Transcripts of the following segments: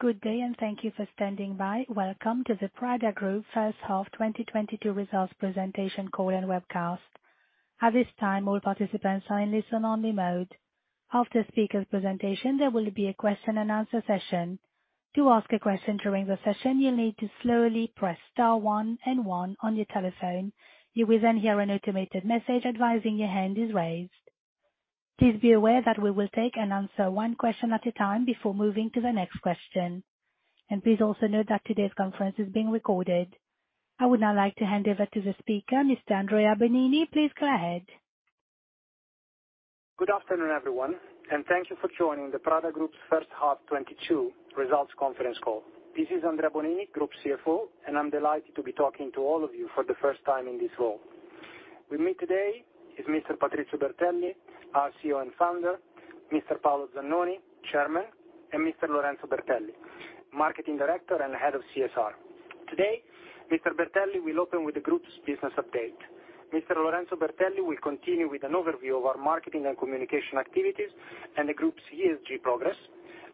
Good day, thank you for standing by. Welcome to the Prada Group First Half 2022 Results Presentation Call and Webcast. At this time, all participants are in listen-only mode. After the speaker's presentation, there will be a question-and-answer session. To ask a question during the session, you'll need to slowly press star one and one on your telephone. You will then hear an automated message advising your hand is raised. Please be aware that we will take and answer one question at a time before moving to the next question. Please also note that today's conference is being recorded. I would now like to hand over to the speaker, Mr. Andrea Bonini. Please go ahead. Good afternoon, everyone, and thank you for joining the Prada Group's First Half 2022 Results Conference Call. This is Andrea Bonini, Group CFO, and I'm delighted to be talking to all of you for the first time in this role. With me today is Mr. Patrizio Bertelli, our CEO and founder, Mr. Paolo Zannoni, Chairman, and Mr. Lorenzo Bertelli, Marketing Director and Head of CSR. Today, Mr. Bertelli will open with the group's business update. Mr. Lorenzo Bertelli will continue with an overview of our marketing and communication activities and the group's ESG progress.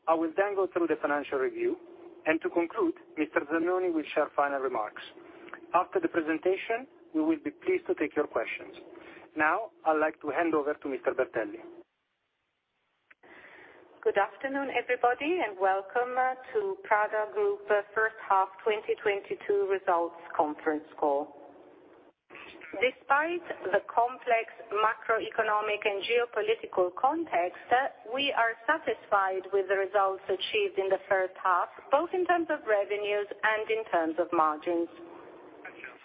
I will then go through the financial review, and to conclude, Mr. Zannoni will share final remarks. After the presentation, we will be pleased to take your questions. Now, I'd like to hand over to Mr. Bertelli. Good afternoon, everybody, and welcome to Prada Group First Half 2022 Results conference call. Despite the complex macroeconomic and geopolitical context, we are satisfied with the results achieved in the first half, both in terms of revenues and in terms of margins.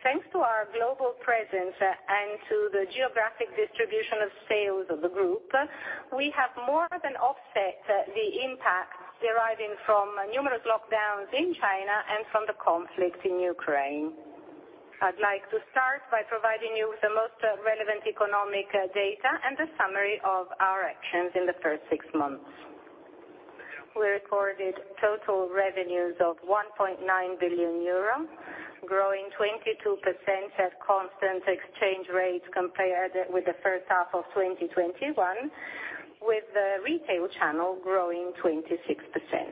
Thanks to our global presence and to the geographic distribution of sales of the group, we have more than offset the impact deriving from numerous lockdowns in China and from the conflict in Ukraine. I'd like to start by providing you with the most relevant economic data and a summary of our actions in the first six months. We recorded total revenues of 1.9 billion euro, growing 22% at constant exchange rates compared with the first half of 2021, with the retail channel growing 26%.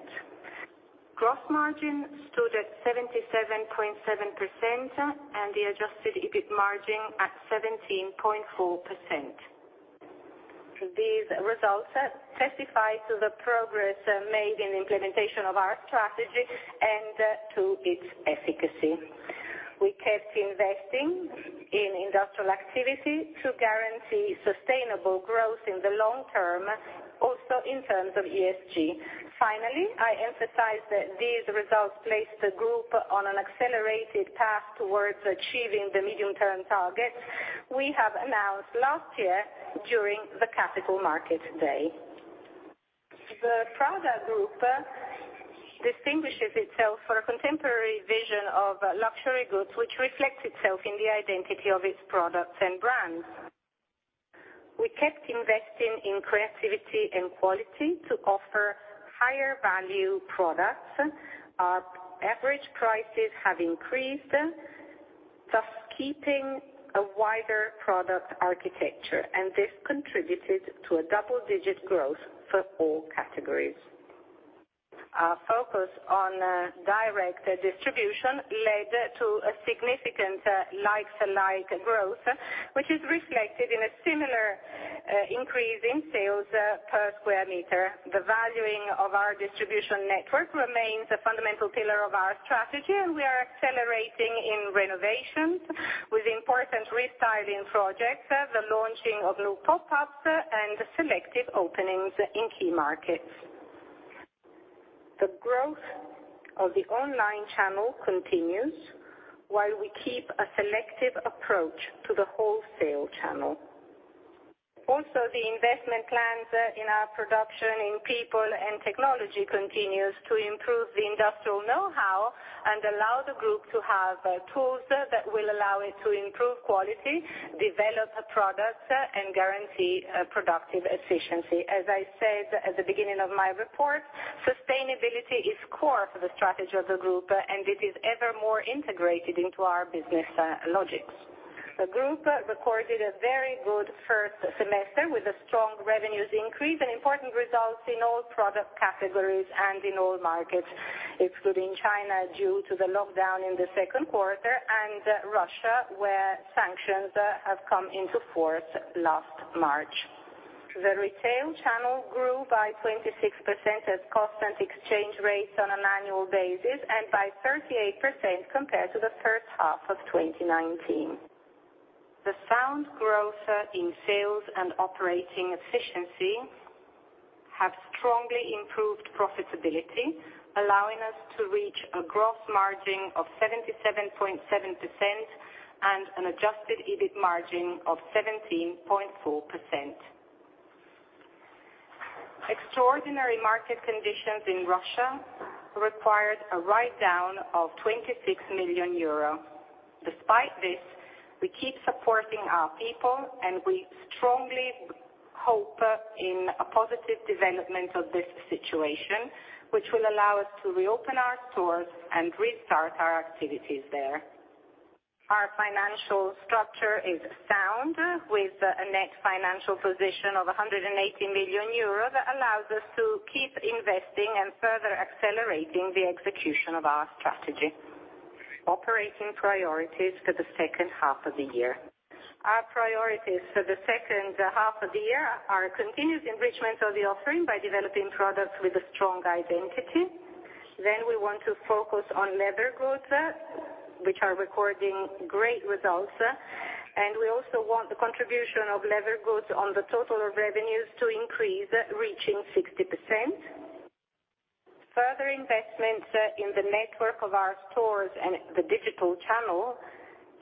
Gross margin stood at 77.7% and the adjusted EBIT margin at 17.4%. These results testify to the progress made in the implementation of our strategy and to its efficacy. We kept investing in industrial activity to guarantee sustainable growth in the long term, also in terms of ESG. Finally, I emphasize that these results place the group on an accelerated path towards achieving the medium-term target we have announced last year during the Capital Markets Day. The Prada Group distinguishes itself for a contemporary vision of luxury goods which reflects itself in the identity of its products and brands. We kept investing in creativity and quality to offer higher value products. Our average prices have increased, thus keeping a wider product architecture, and this contributed to a double-digit growth for all categories. Our focus on direct distribution led to a significant like-for-like growth, which is reflected in a similar increase in sales per square meter. The valuing of our distribution network remains a fundamental pillar of our strategy, and we are accelerating in renovations with important restyling projects, the launching of new pop-ups and selective openings in key markets. The growth of the online channel continues while we keep a selective approach to the wholesale channel. Also, the investment plans in our production in people and technology continues to improve the industrial know-how and allow the group to have tools that will allow it to improve quality, develop products and guarantee productive efficiency. As I said at the beginning of my report, sustainability is core to the strategy of the group and it is ever more integrated into our business logics. The group recorded a very good first semester with a strong revenues increase and important results in all product categories and in all markets, excluding China due to the lockdown in the second quarter and Russia, where sanctions have come into force last March. The retail channel grew by 26% at constant exchange rates on an annual basis, and by 38% compared to the first half of 2019. The sound growth in sales and operating efficiency have strongly improved profitability, allowing us to reach a gross margin of 77.7% and an adjusted EBIT margin of 17.4%. Extraordinary market conditions in Russia required a write-down of 26 million euro. Despite this, we keep supporting our people and we strongly hope in a positive development of this situation which will allow us to reopen our stores and restart our activities there. Our financial structure is sound with a net financial position of 180 million euros that allows us to keep investing and further accelerating the execution of our strategy. Operating priorities for the second half of the year. Our priorities for the second half of the year are continuous enrichment of the offering by developing products with a strong identity. We want to focus on leather goods, which are recording great results. We also want the contribution of leather goods on the total revenues to increase, reaching 60%. Further investments in the network of our stores and the digital channel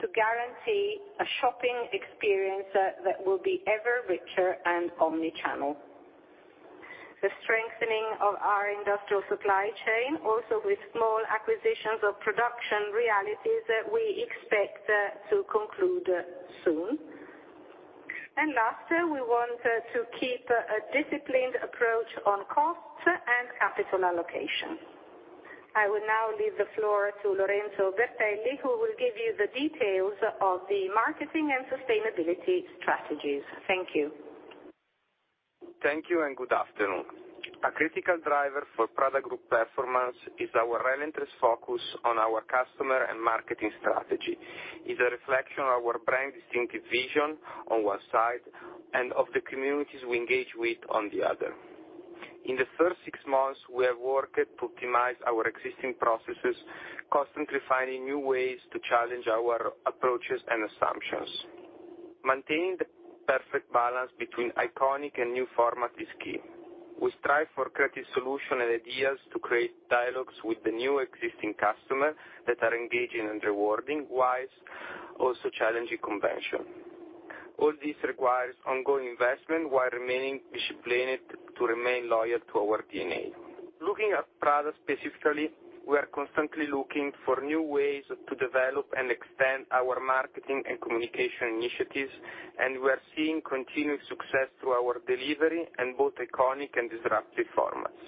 to guarantee a shopping experience that will be ever richer and omni-channel. The strengthening of our industrial supply chain, also with small acquisitions of production realities that we expect to conclude soon. And last, we want to keep a disciplined approach on costs and capital allocation. I will now leave the floor to Lorenzo Bertelli, who will give you the details of the marketing and sustainability strategies. Thank you. Thank you and good afternoon. A critical driver for Prada Group performance is our relentless focus on our customer and marketing strategy. It's a reflection of our brand distinctive vision on one side, and of the communities we engage with on the other. In the first six months, we have worked to optimize our existing processes, constantly finding new ways to challenge our approaches and assumptions. Maintaining the perfect balance between iconic and new format is key. We strive for creative solution and ideas to create dialogues with the new existing customers that are engaging and rewarding, while also challenging convention. All this requires ongoing investment while remaining disciplined to remain loyal to our DNA. Looking at Prada specifically, we are constantly looking for new ways to develop and extend our marketing and communication initiatives, and we are seeing continued success through our delivery in both iconic and disruptive formats.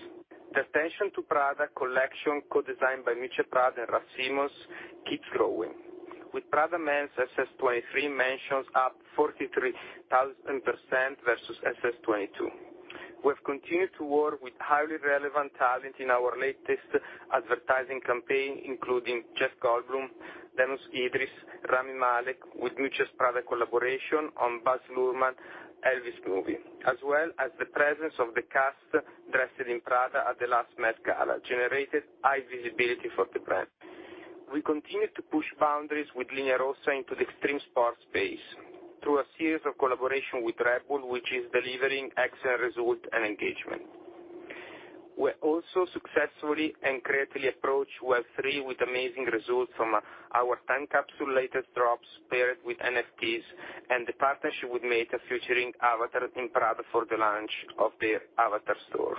The attention to Prada collection co-designed by Miuccia Prada and Raf Simons keeps growing, with Prada Men's SS 2023 mentions up 43,000% versus SS 2022. We have continued to work with highly relevant talent in our latest advertising campaign, including Jeff Goldblum, Damson Idris, Rami Malek with Miuccia's Prada collaboration on Baz Luhrmann, Elvis movie, as well as the presence of the cast dressed in Prada at the last Met Gala generated high visibility for the brand. We continue to push boundaries with Linea Rossa into the extreme sports space through a series of collaboration with Red Bull, which is delivering excellent results and engagement. We're also successfully and creatively approach Web3 with amazing results from our Timecapsule latest drops paired with NFTs and the partnership with Meta featuring Avatar in Prada for the launch of their Avatar store.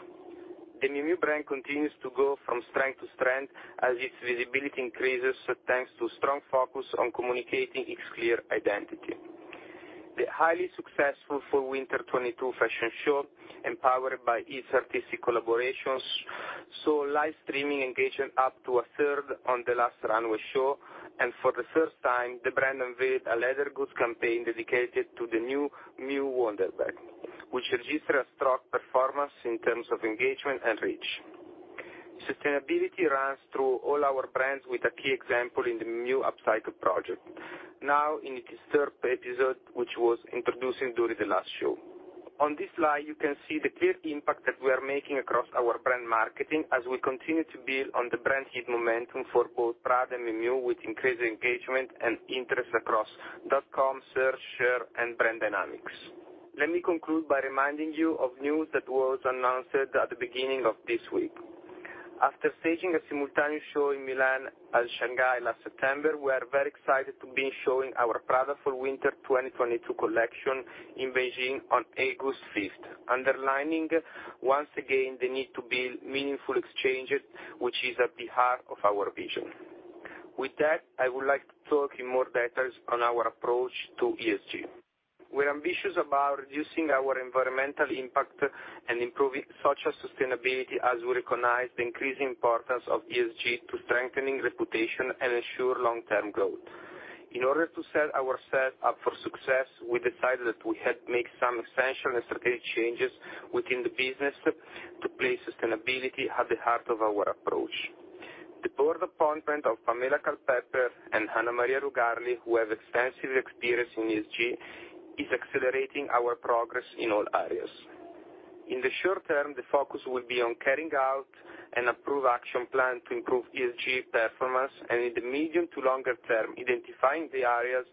The Miu Miu brand continues to go from strength to strength as its visibility increases, thanks to strong focus on communicating its clear identity. The highly successful Fall Winter 2022 fashion show, empowered by its artistic collaborations, saw live streaming engagement up to a third on the last runway show, and for the first time, the brand unveiled a leather goods campaign dedicated to the new Miu Wander bag, which registered a strong performance in terms of engagement and reach. Sustainability runs through all our brands with a key example in the new Upcycled by Miu Miu. Now in its third episode, which was introduced during the last show. On this slide, you can see the clear impact that we are making across our brand marketing as we continue to build on the brand heat momentum for both Prada and Miu Miu with increased engagement and interest across dot-com, search, share, and brand dynamics. Let me conclude by reminding you of news that was announced at the beginning of this week. After staging a simultaneous show in Milan and Shanghai last September, we are very excited to be showing our Prada Fall Winter 2022 collection in Beijing on August 5, underlining once again the need to build meaningful exchanges, which is at the heart of our vision. With that, I would like to talk in more details on our approach to ESG. We're ambitious about reducing our environmental impact and improving social sustainability as we recognize the increasing importance of ESG to strengthening reputation and ensure long-term growth. In order to set ourselves up for success, we decided that we had to make some essential and strategic changes within the business to place sustainability at the heart of our approach. The board appointment of Pamela Culpepper and Anna Maria Rugarli, who have extensive experience in ESG, is accelerating our progress in all areas. In the short term, the focus will be on carrying out an approved action plan to improve ESG performance, and in the medium to longer term, identifying the areas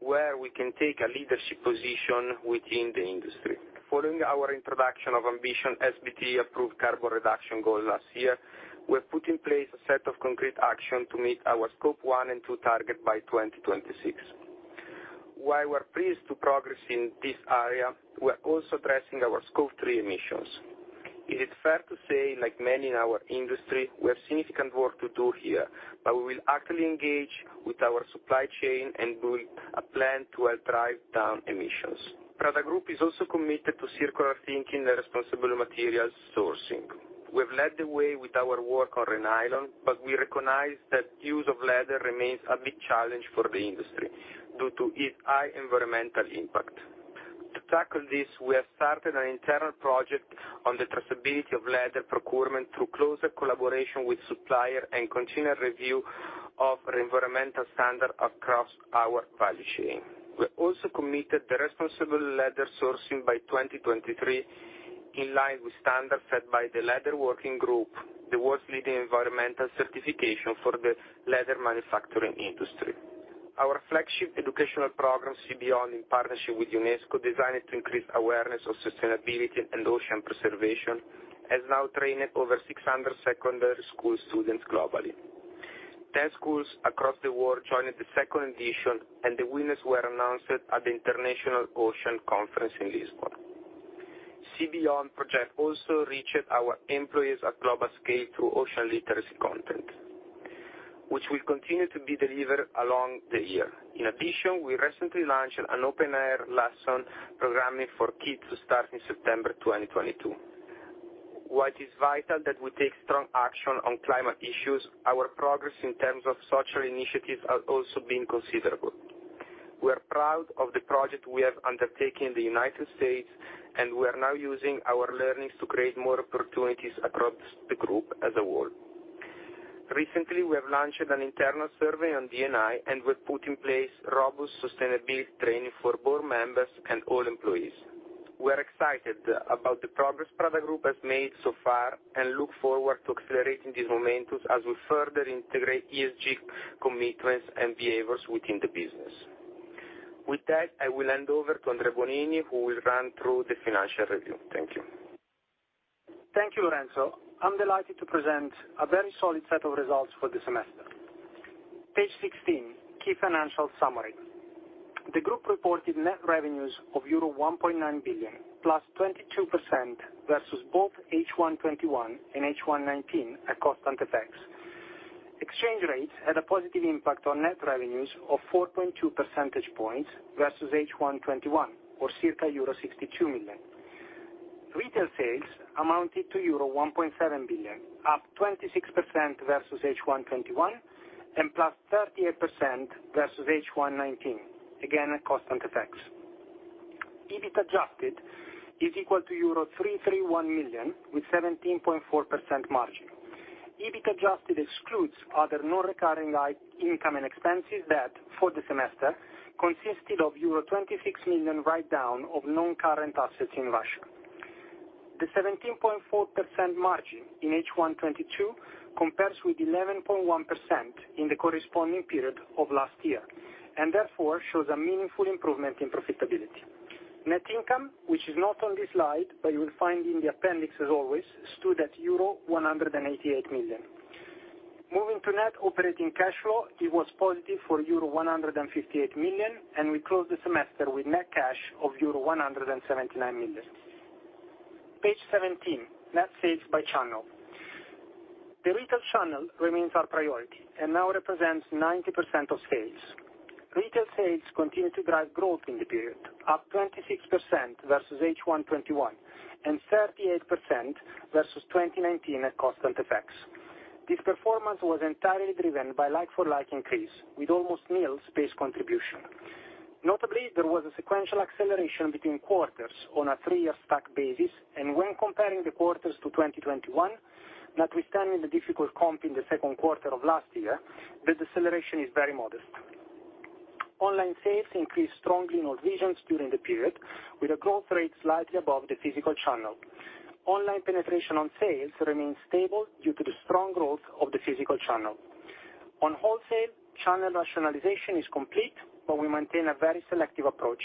where we can take a leadership position within the industry. Following our introduction of ambitious SBT-approved carbon reduction goal last year, we have put in place a set of concrete actions to meet our scope one and two targets by 2026. While we're pleased to progress in this area, we're also addressing our scope three emissions. It is fair to say, like many in our industry, we have significant work to do here, but we will actively engage with our supply chain and build a plan to help drive down emissions. Prada Group is also committed to circular thinking and responsible materials sourcing. We have led the way with our work on Re-Nylon, but we recognize that use of leather remains a big challenge for the industry due to its high environmental impact. To tackle this, we have started an internal project on the traceability of leather procurement through closer collaboration with supplier and continued review of environmental standard across our value chain. We're also committed to responsible leather sourcing by 2023, in line with standards set by the Leather Working Group, the world's leading environmental certification for the leather manufacturing industry. Our flagship educational program, Sea Beyond, in partnership with UNESCO, designed to increase awareness of sustainability and ocean preservation, has now trained over 600 secondary school students globally. 10 schools across the world joined the second edition, and the winners were announced at the UN Ocean Conference in Lisbon. Sea Beyond project also reached our employees at global scale through ocean literacy content, which will continue to be delivered along the year. In addition, we recently launched an open air lesson programming for kids to start in September 2022. While it is vital that we take strong action on climate issues, our progress in terms of social initiatives has also been considerable. We are proud of the project we have undertaken in the United States, and we are now using our learnings to create more opportunities across the group as a whole. Recently, we have launched an internal survey on D&I, and we've put in place robust sustainability training for board members and all employees. We're excited about the progress Prada Group has made so far and look forward to accelerating these momentums as we further integrate ESG commitments and behaviors within the business. With that, I will hand over to Andrea Bonini, who will run through the financial review. Thank you. Thank you, Lorenzo. I'm delighted to present a very solid set of results for the semester. Page 16, key financial summary. The group reported net revenues of euro 1.9 billion, +22% versus both H1 2021 and H1 2019 at constant effects. Exchange rates had a positive impact on net revenues of 4.2 percentage points versus H1 2021 or circa euro 62 million. Retail sales amounted to euro 1.7 billion, up 26% versus H1 2021 and +38% versus H1 2019, again, at constant effects. EBIT adjusted is equal to euro 331 million with 17.4% margin. EBIT adjusted excludes other non-recurring line item income and expenses that, for the semester, consisted of euro 26 million write down of non-current assets in Russia. The 17.4% margin in H1 2022 compares with 11.1% in the corresponding period of last year, and therefore shows a meaningful improvement in profitability. Net income, which is not on this slide, but you will find in the appendix as always, stood at euro 188 million. Moving to net operating cash flow, it was positive for euro 158 million, and we closed the semester with net cash of euro 179 million. Page 17, net sales by channel. The retail channel remains our priority and now represents 90% of sales. Retail sales continue to drive growth in the period, up 26% versus H1 2021 and 38% versus 2019 at constant FX. This performance was entirely driven by like-for-like increase with almost nil space contribution. Notably, there was a sequential acceleration between quarters on a three-year stack basis and when comparing the quarters to 2021, notwithstanding the difficult comp in the second quarter of last year, the deceleration is very modest. Online sales increased strongly in all regions during the period, with a growth rate slightly above the physical channel. Online penetration on sales remains stable due to the strong growth of the physical channel. On wholesale, channel rationalization is complete, but we maintain a very selective approach.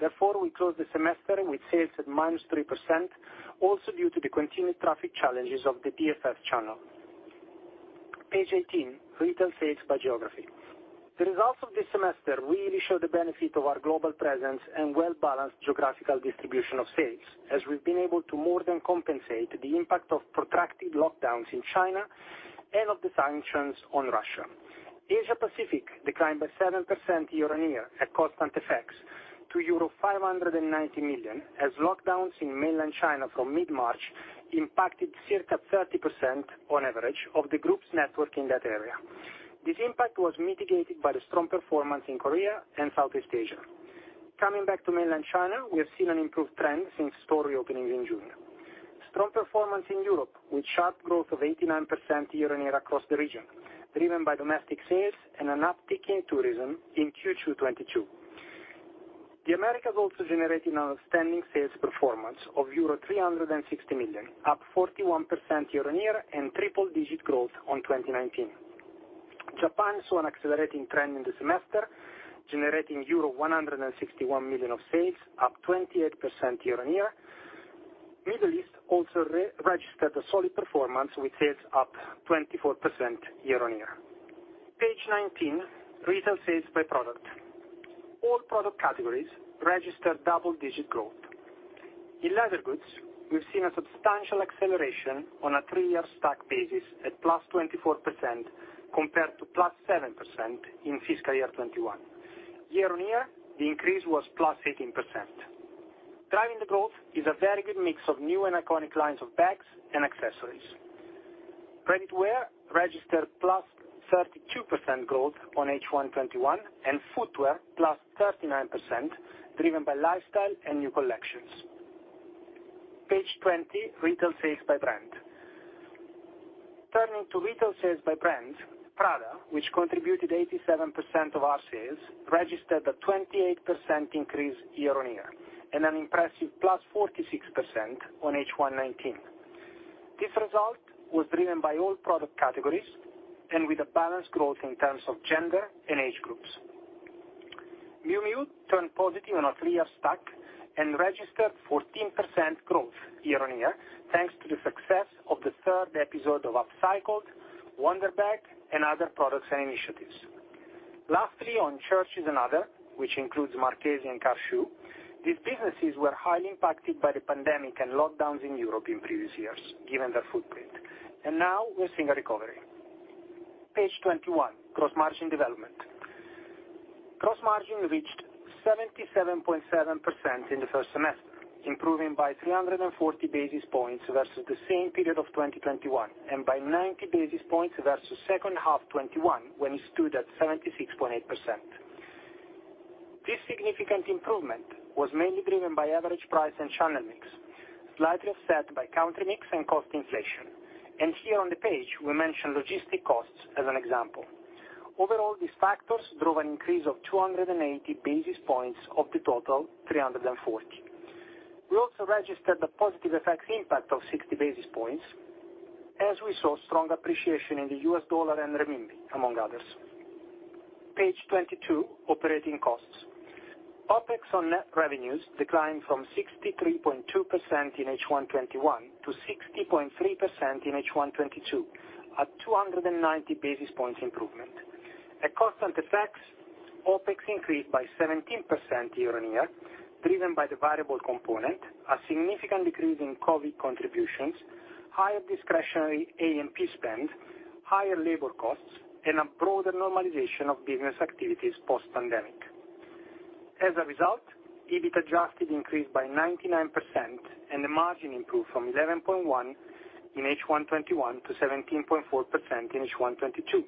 Therefore, we close the semester with sales at -3% also due to the continued traffic challenges of the DFS channel. Page 18, retail sales by geography. The results of this semester really show the benefit of our global presence and well-balanced geographical distribution of sales, as we've been able to more than compensate the impact of protracted lockdowns in China and of the sanctions on Russia. Asia Pacific declined by 7% year-on-year at constant FX to euro 590 million as lockdowns in mainland China from mid-March impacted circa 30% on average of the group's network in that area. This impact was mitigated by the strong performance in Korea and Southeast Asia. Coming back to mainland China, we have seen an improved trend since store reopenings in June. Strong performance in Europe, with sharp growth of 89% year-on-year across the region, driven by domestic sales and an uptick in tourism in Q2 2022. The Americas also generating an outstanding sales performance of euro 360 million, up 41% year-on-year and triple-digit growth on 2019. Japan saw an accelerating trend in the semester, generating euro 161 million of sales, up 28% year-on-year. Middle East also registered a solid performance with sales up 24% year-on-year. Page 19, retail sales by product. All product categories registered double-digit growth. In leather goods, we've seen a substantial acceleration on a 3 year stack basis at +24% compared to +7% in fiscal year 2021. Year-on-year, the increase was +18%. Driving the growth is a very good mix of new and iconic lines of bags and accessories. Ready-to-wear registered +32% growth on H1 2021, and footwear +39%, driven by lifestyle and new collections. Page 20, retail sales by brand. Turning to retail sales by brand, Prada, which contributed 87% of our sales, registered a 28% increase year-on-year, and an impressive +46% on H1 2019. This result was driven by all product categories and with a balanced growth in terms of gender and age groups. Miu Miu turned positive on a 3-year stack and registered 14% growth year-on-year, thanks to the success of the third episode of Upcycled, Wander bag, and other products and initiatives. Lastly, on Church's and Other, which includes Marchesi 1824 and Car Shoe, these businesses were highly impacted by the pandemic and lockdowns in Europe in previous years, given their footprint. Now we're seeing a recovery. Page 21, gross margin development. Gross margin reached 77.7% in the first semester, improving by 340 basis points versus the same period of 2021, and by 90 basis points versus second half 2021, when it stood at 76.8%. This significant improvement was mainly driven by average price and channel mix, slightly offset by country mix and cost inflation. Here on the page, we mention logistics costs as an example. Overall, these factors drove an increase of 280 basis points of the total, 340. We also registered a positive FX impact of 60 basis points as we saw strong appreciation in the US dollar and renminbi, among others. Page 22, operating costs. OpEx on net revenues declined from 63.2% in H1 2021 to 60.3% in H1 2022, a 290 basis points improvement. At constant FX, OpEx increased by 17% year-on-year, driven by the variable component, a significant decrease in COVID contributions, higher discretionary A&P spend, higher labor costs, and a broader normalization of business activities post-pandemic. As a result, EBIT adjusted increased by 99%, and the margin improved from 11.1% in H1 2021 to 17.4% in H1 2022,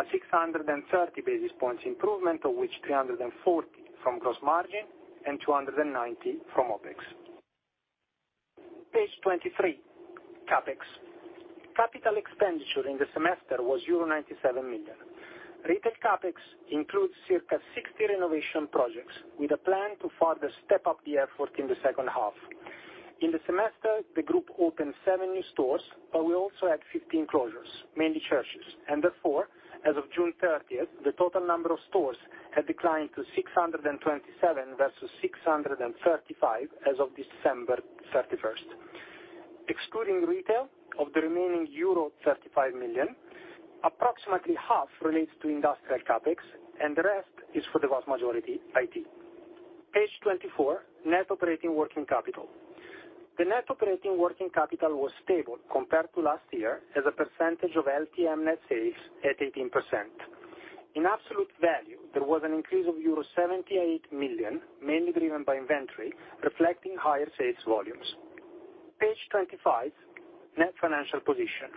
a 630 basis points improvement, of which 340 from gross margin and 290 from OpEx. Page 23, CapEx. Capital expenditure in the semester was euro 97 million. Retail CapEx includes circa 60 renovation projects, with a plan to further step up the effort in the second half. In the semester, the group opened seven new stores, but we also had 15 closures, mainly Church's. Therefore, as of June 30, the total number of stores had declined to 627 versus 635 as of December 31. Excluding retail, of the remaining euro 35 million, approximately half relates to industrial CapEx, and the rest is for the vast majority, IT. Page 24, net operating working capital. The net operating working capital was stable compared to last year, as a percentage of LTM net sales at 18%. In absolute value, there was an increase of euro 78 million, mainly driven by inventory, reflecting higher sales volumes. Page 25, net financial position.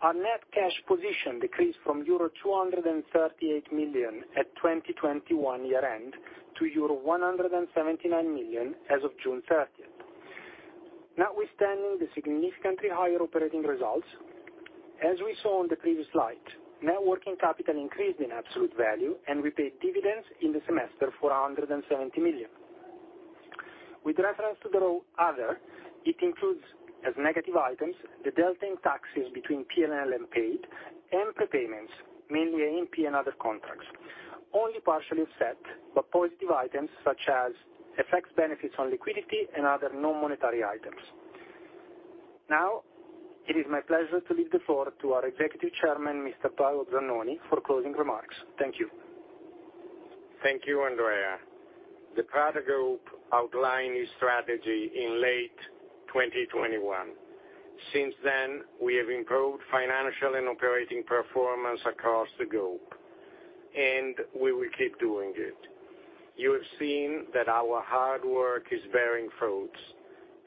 Our net cash position decreased from euro 238 million at 2021 year end to euro 179 million as of June 30. Notwithstanding the significantly higher operating results, as we saw on the previous slide, net working capital increased in absolute value, and we paid dividends in the semester for 170 million. With reference to the row Other, it includes, as negative items, the delta in taxes between P&L and paid, and prepayments, mainly A&P and other contracts, only partially offset by positive items such as FX benefits on liquidity and other non-monetary items. Now, it is my pleasure to leave the floor to our Executive Chairman, Mr. Paolo Zannoni, for closing remarks. Thank you. Thank you, Andrea. The Prada Group outlined its strategy in late 2021. Since then, we have improved financial and operating performance across the group, and we will keep doing it. You have seen that our hard work is bearing fruits.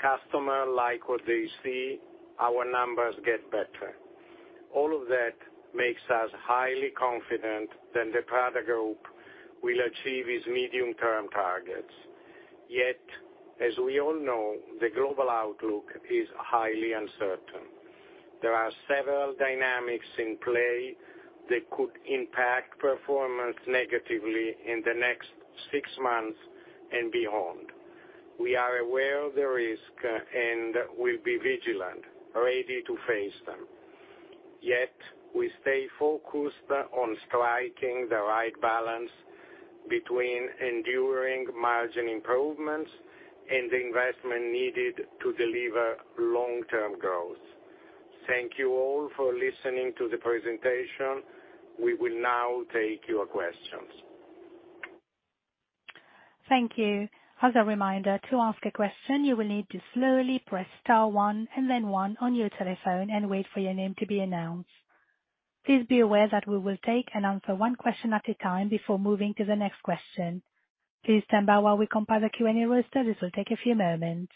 Customer like what they see, our numbers get better. All of that makes us highly confident that the Prada Group will achieve its medium-term targets. Yet, as we all know, the global outlook is highly uncertain. There are several dynamics in play that could impact performance negatively in the next six months and beyond. We are aware of the risk, and we'll be vigilant, ready to face them. Yet, we stay focused on striking the right balance between enduring margin improvements and the investment needed to deliver long-term growth. Thank you all for listening to the presentation. We will now take your questions. Thank you. As a reminder, to ask a question, you will need to slowly press star one and then one on your telephone and wait for your name to be announced. Please be aware that we will take and answer one question at a time before moving to the next question. Please stand by while we compile the Q&A roster. This will take a few moments.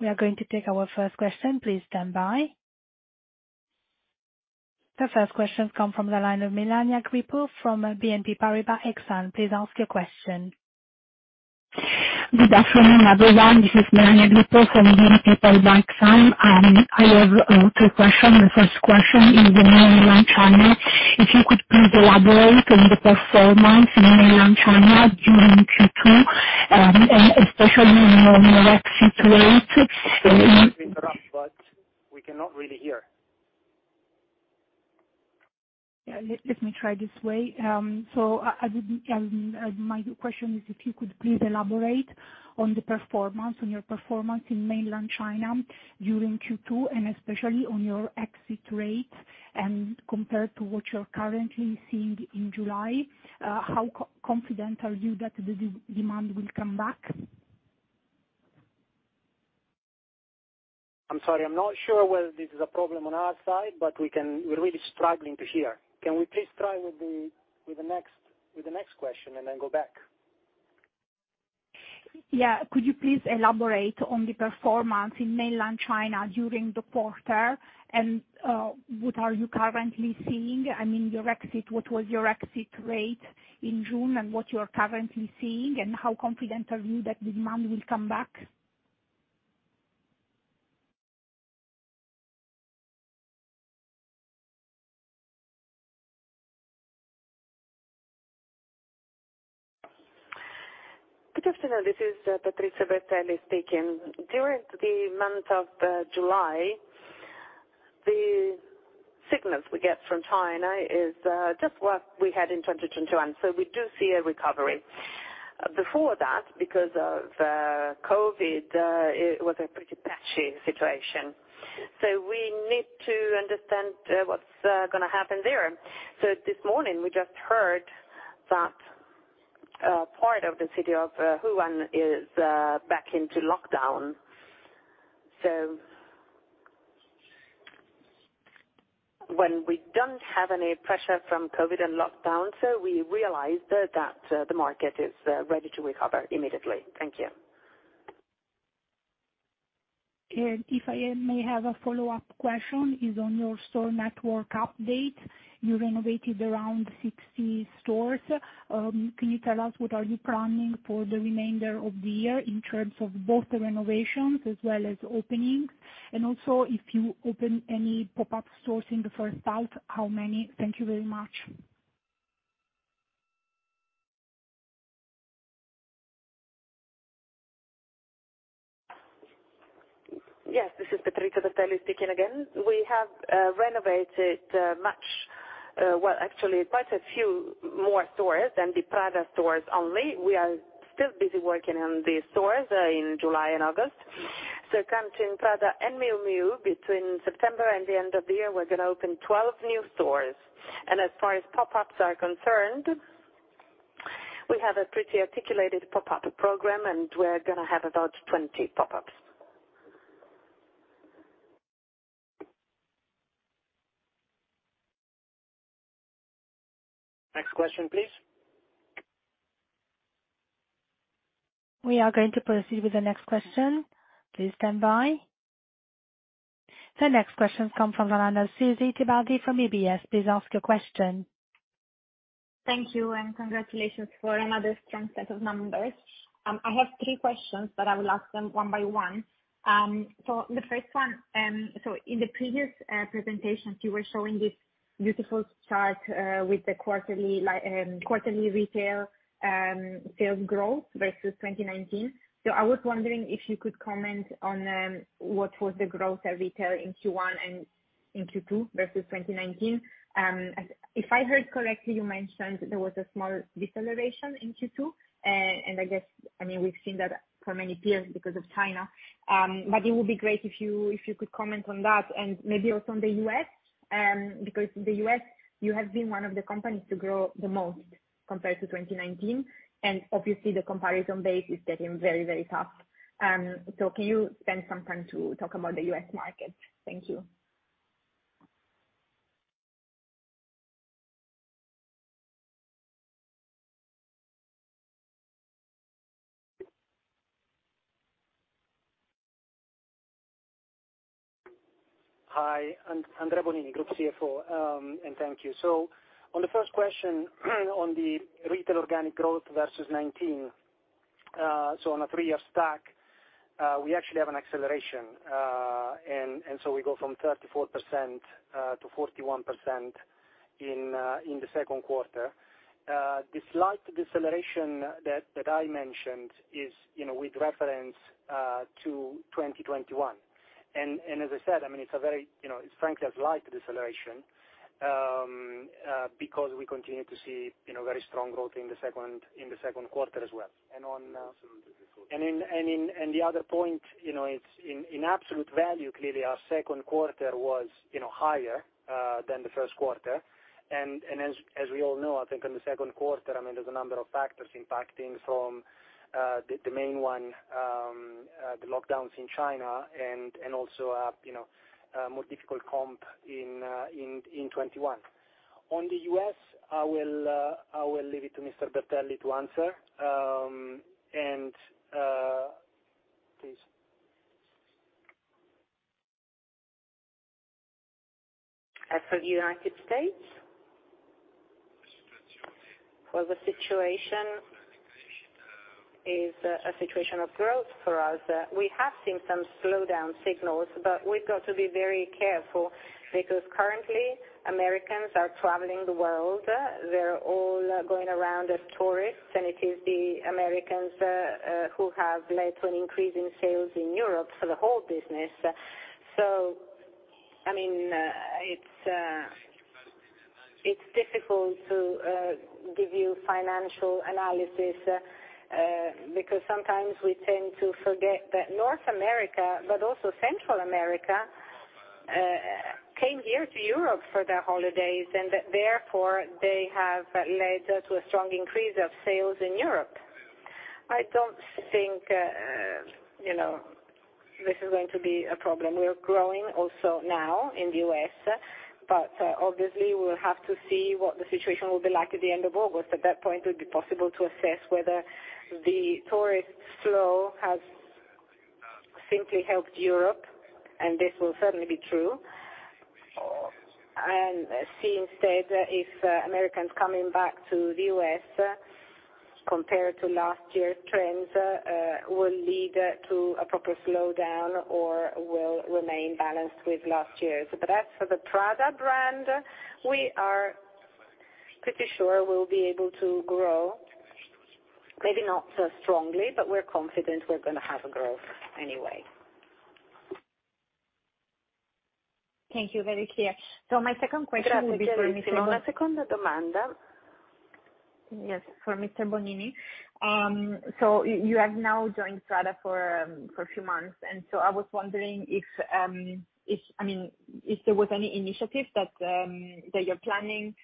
We are going to take our first question. Please stand by. The first question comes from the line of Melania Grippo from BNP Paribas Exane. Please ask your question. Good afternoon, everyone. This is Melania Grippo from BNP Paribas Exane. I have two question. The first question is in the mainland China. If you could please elaborate on the performance in mainland China during Q2, especially on your exit rate. Sorry to interrupt, but we cannot really hear. Yeah. Let me try this way. I would, my question is if you could please elaborate on the performance, on your performance in Mainland China during Q2, and especially on your exit rate, and compared to what you're currently seeing in July, how confident are you that the demand will come back? I'm sorry. I'm not sure whether this is a problem on our side, but we're really struggling to hear. Can we please try with the next question and then go back? Yeah. Could you please elaborate on the performance in mainland China during the quarter, and, what are you currently seeing? I mean, your exit, what was your exit rate in June and what you're currently seeing, and how confident are you that demand will come back? Good afternoon. This is Patrizio Bertelli speaking. During the month of July, the signals we get from China is just what we had in 2021. We do see a recovery. Before that, because of COVID, it was a pretty patchy situation. So, we need to understand what's gonna happen there. This morning, we just heard that a part of the city of Wuhan is back into lockdown. So, when we don't have any pressure from COVID and lockdown, we realized that the market is ready to recover immediately. Thank you. If I may have a follow-up question is on your store network update. You renovated around 60 stores. Can you tell us what are you planning for the remainder of the year in terms of both the renovations as well as openings? And also, if you open any pop-up stores in the first half, how many? Thank you very much. Yes, this is Patrizio Bertelli speaking again. We have renovated much, well, actually quite a few more stores than the Prada stores only. We are still busy working on the stores in July and August. Counting Prada and Miu Miu between September and the end of the year, we're gonna open 12 new stores. As far as pop-ups are concerned, we have a pretty articulated pop-up program, and we're gonna have about 20 pop-ups. Next question, please. We are going to proceed with the next question. Please stand by. The next question comes from the line of Susy Tibaldi from UBS. Please ask your question. Thank you, and congratulations for another strong set of numbers. I have three questions, but I will ask them one by one. The first one, so in the previous presentations, you were showing this beautiful chart with the quarterly retail sales growth versus 2019. I was wondering if you could comment on what was the growth at retail in Q1 and in Q2 versus 2019. If I heard correctly, you mentioned there was a small deceleration in Q2. And I guess, I mean, we've seen that for many peers because of China. It would be great if you could comment on that and maybe also on the U.S., because the U.S., you have been one of the companies to grow the most compared to 2019, and obviously the comparison base is getting very, very tough. So, can you spend some time to talk about the U.S. market? Thank you. Hi, Andrea Bonini, Group CFO and thank you. On the first question on the retail organic growth versus 2019. So, on a three-year stack, we actually have an acceleration. We go from 34% to 41% in the second quarter. The slight deceleration that I mentioned is, you know, with reference to 2021. As I said, I mean, it's frankly a slight deceleration, because we continue to see, you know, very strong growth in the second quarter as well. The other point, you know, it's in absolute value, clearly our second quarter was, you know, higher than the first quarter. As we all know, I think in the second quarter, I mean, there's a number of factors impacting from the main one, the lockdowns in China and also, you know, more difficult comp in 2021. On the U.S., I will leave it to Mr. Bertelli to answer. Please. As for the United States? Well, the situation is a situation of growth for us. We have seen some slowdown signals, but we've got to be very careful because currently Americans are traveling the world. They're all going around as tourists, and it is the Americans, who have led to an increase in sales in Europe for the whole business. So, I mean, it's difficult to give you financial analysis, because sometimes we tend to forget that North America, but also Central America, came here to Europe for their holidays, and therefore, they have led to a strong increase of sales in Europe. I don't think, you know, this is going to be a problem. We are growing also now in the U.S., but obviously, we'll have to see what the situation will be like at the end of August. At that point, it will be possible to assess whether the tourist flow has simply helped Europe, and this will certainly be true and see instead if Americans coming back to the U.S. compared to last year's trends will lead to a proper slowdown or will remain balanced with last year's. As for the Prada brand, we are pretty sure we'll be able to grow. Maybe not so strongly, but we're confident we're gonna have a growth anyway. Thank you. Very clear. My second question would be for Mr. Bonini. You have now joined Prada for a few months and so I was wondering if, I mean, if there was any initiative that you're planning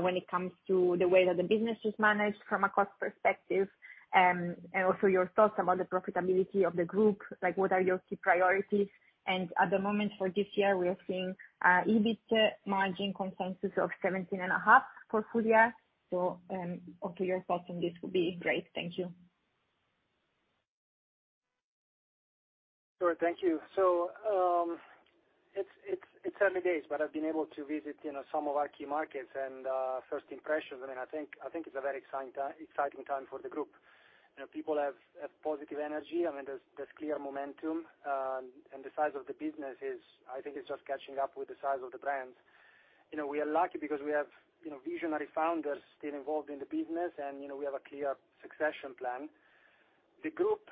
when it comes to the way that the business is managed from a cost perspective, and also your thoughts about the profitability of the group, like what are your key priorities? And at the moment for this year, we are seeing EBIT margin consensus of 17.5% for full year. Also your thoughts on this would be great. Thank you. Sure. Thank you. It's early days, but I've been able to visit, you know, some of our key markets. First impressions, I mean, I think it's a very exciting time for the group. You know, people have positive energy. I mean, there's clear momentum, and the size of the business is, I think, just catching up with the size of the brands. You know, we are lucky because we have, you know, visionary founders still involved in the business, and, you know, we have a clear succession plan. The group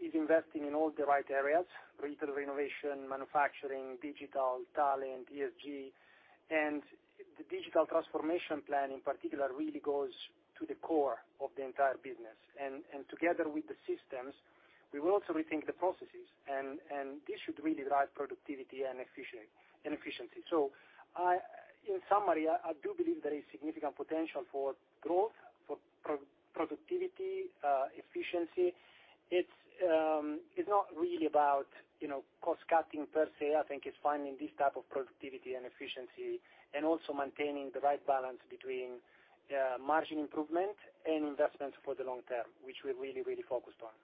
is investing in all the right areas, retail renovation, manufacturing, digital, talent, ESG and the digital transformation plan, in particular, really goes to the core of the entire business. And together with the systems, we will also rethink the processes, and this should really drive productivity and efficiency. So, in summary, I do believe there is significant potential for growth, for productivity, efficiency. It's not really about, you know, cost-cutting per se. I think it's finding this type of productivity and efficiency and also maintaining the right balance between margin improvement and investments for the long term, which we're really focused on.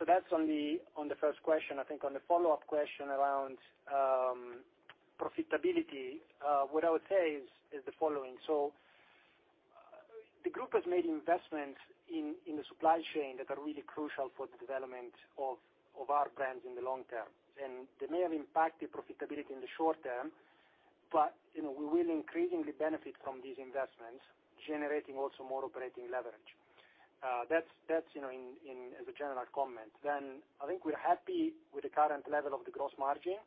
So, that's on the first question. I think on the follow-up question around profitability, what I would say is the following. The group has made investments in the supply chain that are really crucial for the development of our brands in the long term. They may have impacted profitability in the short term, but, you know, we will increasingly benefit from these investments, generating also more operating leverage. That's, you know, as a general comment. Then I think we're happy with the current level of the gross margin,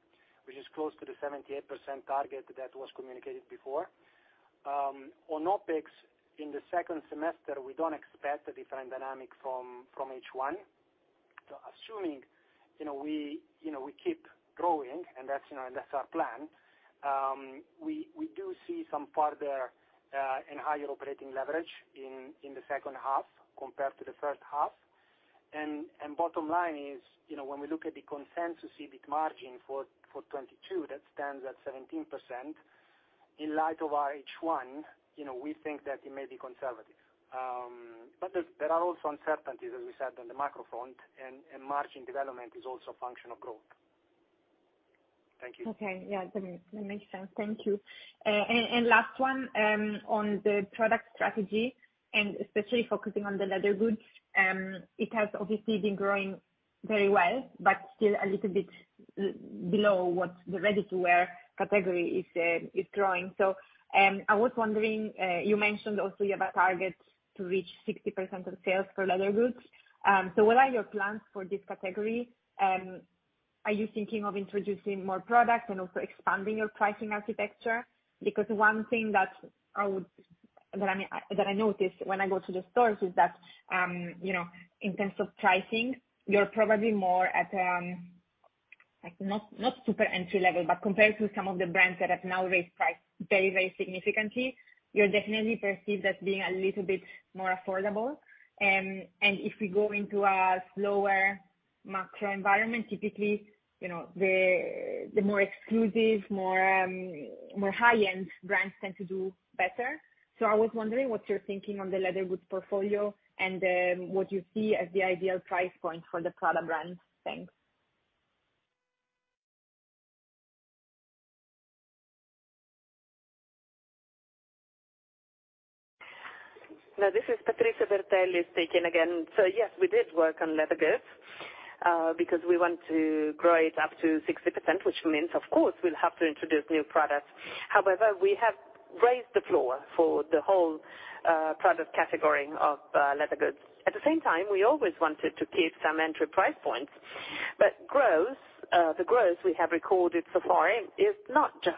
which is close to the 78% target that was communicated before. On OpEx, in the second semester, we don't expect a different dynamic from H1. So assuming, you know, we keep growing, and that's our plan, we do see some further and higher operating leverage in the second half compared to the first half. Bottom line is, you know, when we look at the consensus EBIT margin for 2022, that stands at 17%. In light of our H1, you know, we think that it may be conservative. There are also uncertainties, as we said, on the macro front, and margin development is also a function of growth. Thank you. Okay. Yeah. That makes sense. Thank you. Last one, on the product strategy, and especially focusing on the leather goods, it has obviously been growing very well, but still a little bit below what the ready-to-wear category is growing. So, I was wondering, you mentioned also you have a target to reach 60% of sales for leather goods. So, what are your plans for this category? Are you thinking of introducing more products and also expanding your pricing architecture? Because one thing that I noticed when I go to the stores is that, you know, in terms of pricing, you're probably more at, like not super entry-level. Compared to some of the brands that have now raised price very, very significantly, you're definitely perceived as being a little bit more affordable. And if we go into a slower macro environment, typically, you know, the more exclusive, more high-end brands tend to do better. So, I was wondering what you're thinking on the leather goods portfolio and what you see as the ideal price point for the Prada brand. Thanks. No, this is Patrizio Bertelli speaking again. So, yes, we did work on leather goods, because we want to grow it up to 60%, which means, of course, we'll have to introduce new products. However, we have raised the floor for the whole product category of leather goods. At the same time, we always wanted to keep some entry price points. Growth, the growth we have recorded so far is not just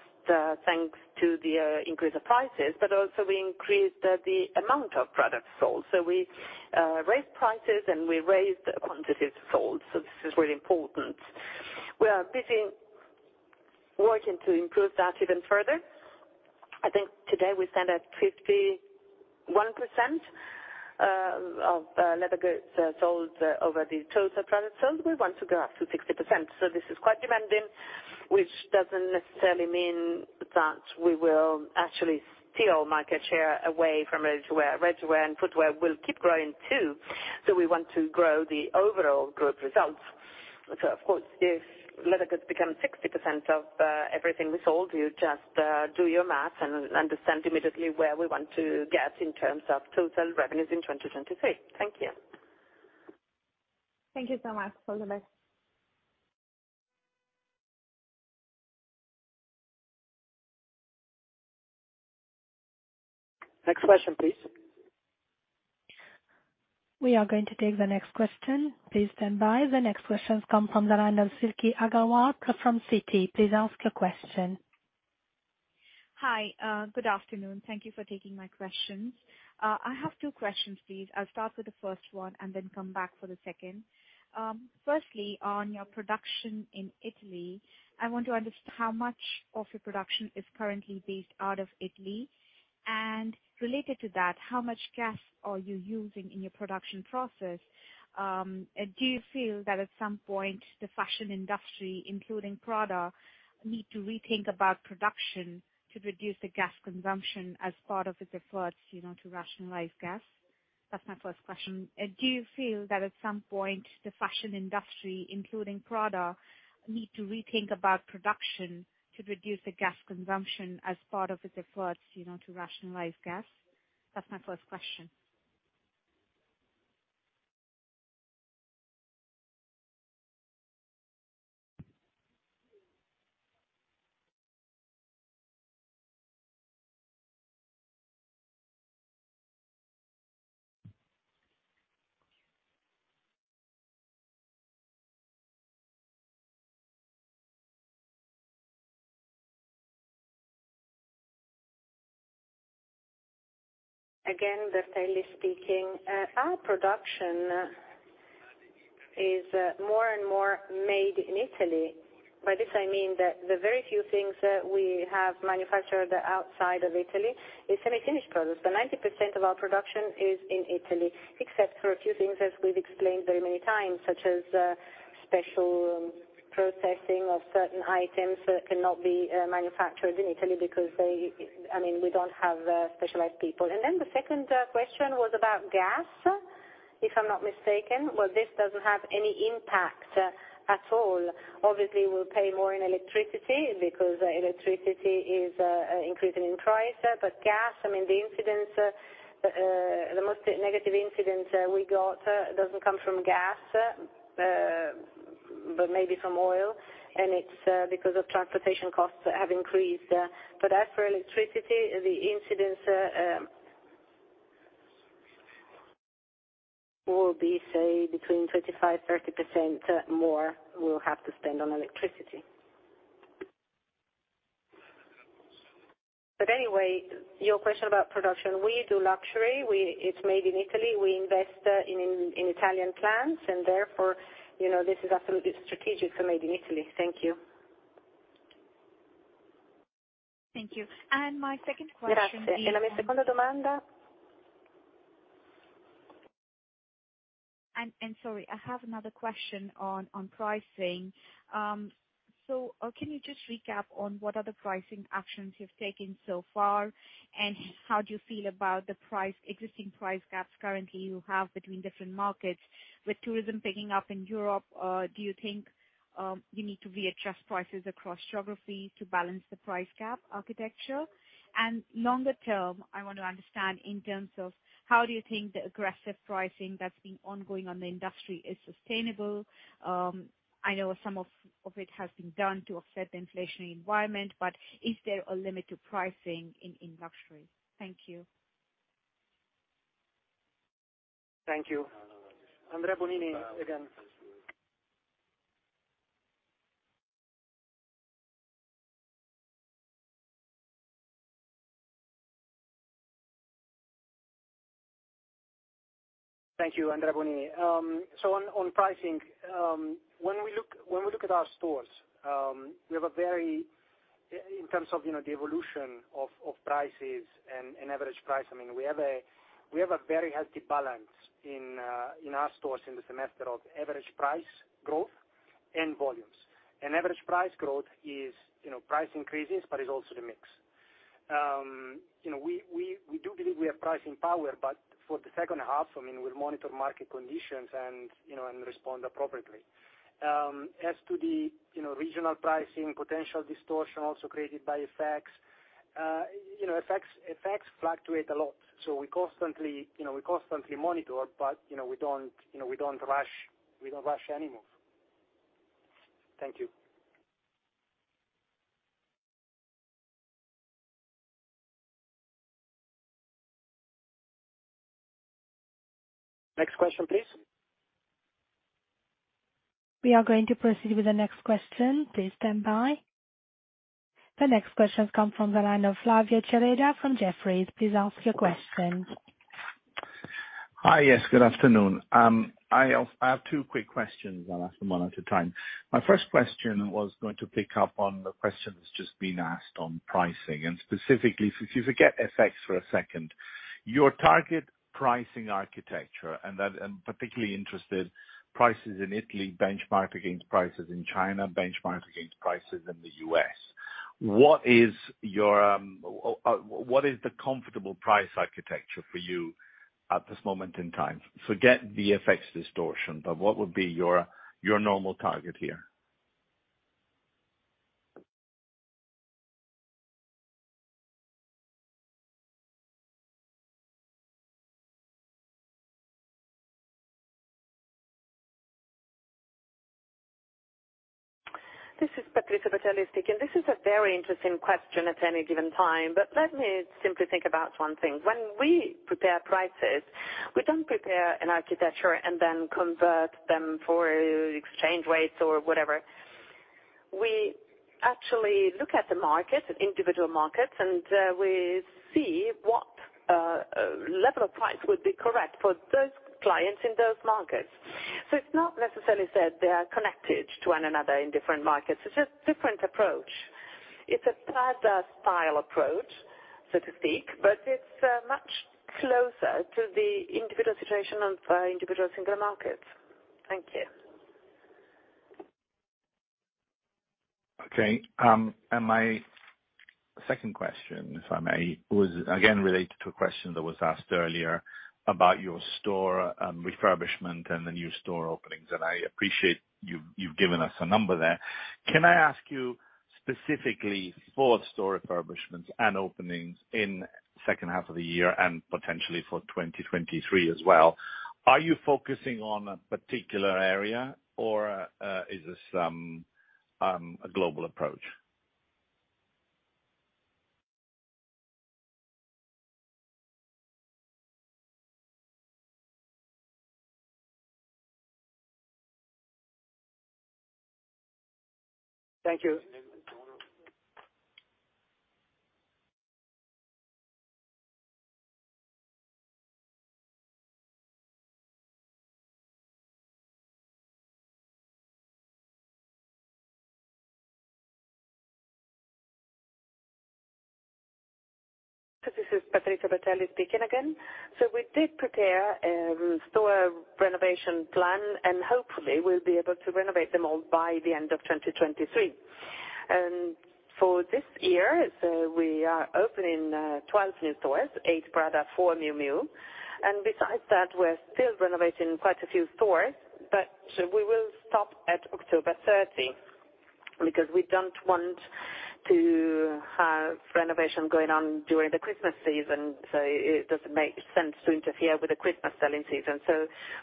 thanks to the increase of prices, but also we increased the amount of products sold. We raised prices, and we raised the quantities sold, so this is really important. We are busy working to improve that even further. I think today we stand at 51% of leather goods sold over the total products sold. We want to go up to 60%, so this is quite demanding, which doesn't necessarily mean that we will actually steal market share away from ready-to-wear. Ready-to-wear and footwear will keep growing, too., though we want to grow the overall group results. Of course, if leather goods become 60% of everything we sold, you just do your math and understand immediately where we want to get in terms of total revenues in 2023. Thank you. Thank you so much. All the best. Next question, please. We are going to take the next question. Please stand by. The next question comes from the line of Silky Agarwal from Citi. Please ask your question. Hi, good afternoon. Thank you for taking my questions. I have two questions, please. I'll start with the first one and then come back for the second. Firstly, on your production in Italy, I want to understand how much of your production is currently based out of Italy. Related to that, how much gas are you using in your production process? Do you feel that at some point the fashion industry, including Prada, need to rethink about production to reduce the gas consumption as part of its efforts, you know, to rationalize gas? That's my first question. Patrizio Bertelli speaking. Our production is more and more made in Italy. By this, I mean that the very few things that we have manufactured outside of Italy is semi-finished products. 90% of our production is in Italy, except for a few things, as we've explained very many times, such as special processing of certain items that cannot be manufactured in Italy because we don't have specialized people. And then the second question was about gas, if I'm not mistaken. Well, this doesn't have any impact at all. Obviously, we'll pay more in electricity because electricity is increasing in price. But gas, I mean, the incidence, the most negative incidence we got doesn't come from gas, but maybe from oil, and it's because of transportation costs have increased. As for electricity, the incidence will be, say, between 25-30% more we'll have to spend on electricity. Anyway, your question about production, we do luxury. It's made in Italy. We invest in Italian plants and therefore, you know, this is absolutely strategic for Made in Italy. Thank you. Thank you, and sorry, I have another question on pricing. So, can you just recap on what are the pricing actions you've taken so far, and how do you feel about the price existing price gaps currently you have between different markets? With tourism picking up in Europe, do you think you need to readjust prices across geographies to balance the price gap architecture? Longer term, I want to understand in terms of how do you think the aggressive pricing that's been ongoing on the industry is sustainable? I know some of it has been done to offset the inflationary environment, but is there a limit to pricing in luxury? Thank you. Thank you. Andrea Bonini again. Thank you, Andrea Bonini. So, on pricing, when we look When we look at our stores, we have a very in terms of, you know, the evolution of prices and average price, I mean, we have a very healthy balance in our stores in the semester of average price growth and volumes. Average price growth is, you know, price increases, but it's also the mix. You know, we do believe we have pricing power, but for the second half, I mean, we'll monitor market conditions and, you know, and respond appropriately. As to the, you know, regional pricing potential distortion also created by effects, you know, effects fluctuate a lot so we constantly monitor, but, you know, we don't rush any move. Thank you. Next question, please. We are going to proceed with the next question. Please stand by. The next question comes from the line of Flavio Cereda from Jefferies. Please ask your question. Hi, yes, good afternoon. I also have two quick questions. I'll ask them one at a time. My first question was going to pick up on the question that's just been asked on pricing. Specifically, so if you forget FX for a second, your target pricing architecture. I'm particularly interested in prices in Italy benchmarked against prices in China, benchmarked against prices in the U.S. What is the comfortable price architecture for you at this moment in time? Forget the FX distortion. What would be your normal target here? This is Patrizio Bertelli speaking. This is a very interesting question at any given time. Let me simply think about one thing. When we prepare prices, we don't prepare an architecture and then convert them for exchange rates or whatever. We actually look at the market, individual markets, and we see what level of price would be correct for those clients in those markets. So, it's not necessarily said they are connected to one another in different markets. It's a different approach. It's a Prada style approach, so to speak, but it's much closer to the individual situation and for individuals in the markets. Thank you. Okay. And my second question, if I may, was again related to a question that was asked earlier about your store refurbishment and the new store openings, and I appreciate you've given us a number there. Can I ask you specifically for store refurbishments and openings in second half of the year and potentially for 2023 as well. Are you focusing on a particular area or, is this a global approach? Thank you. This is Patrizio Bertelli speaking again. We did prepare a store renovation plan, and hopefully we'll be able to renovate them all by the end of 2023. For this year, we are opening 12 new stores, 8 Prada, 4 Miu Miu. Besides that, we're still renovating quite a few stores, but we will stop at October 30 because we don't want to have renovation going on during the Christmas season. It doesn't make sense to interfere with the Christmas selling season.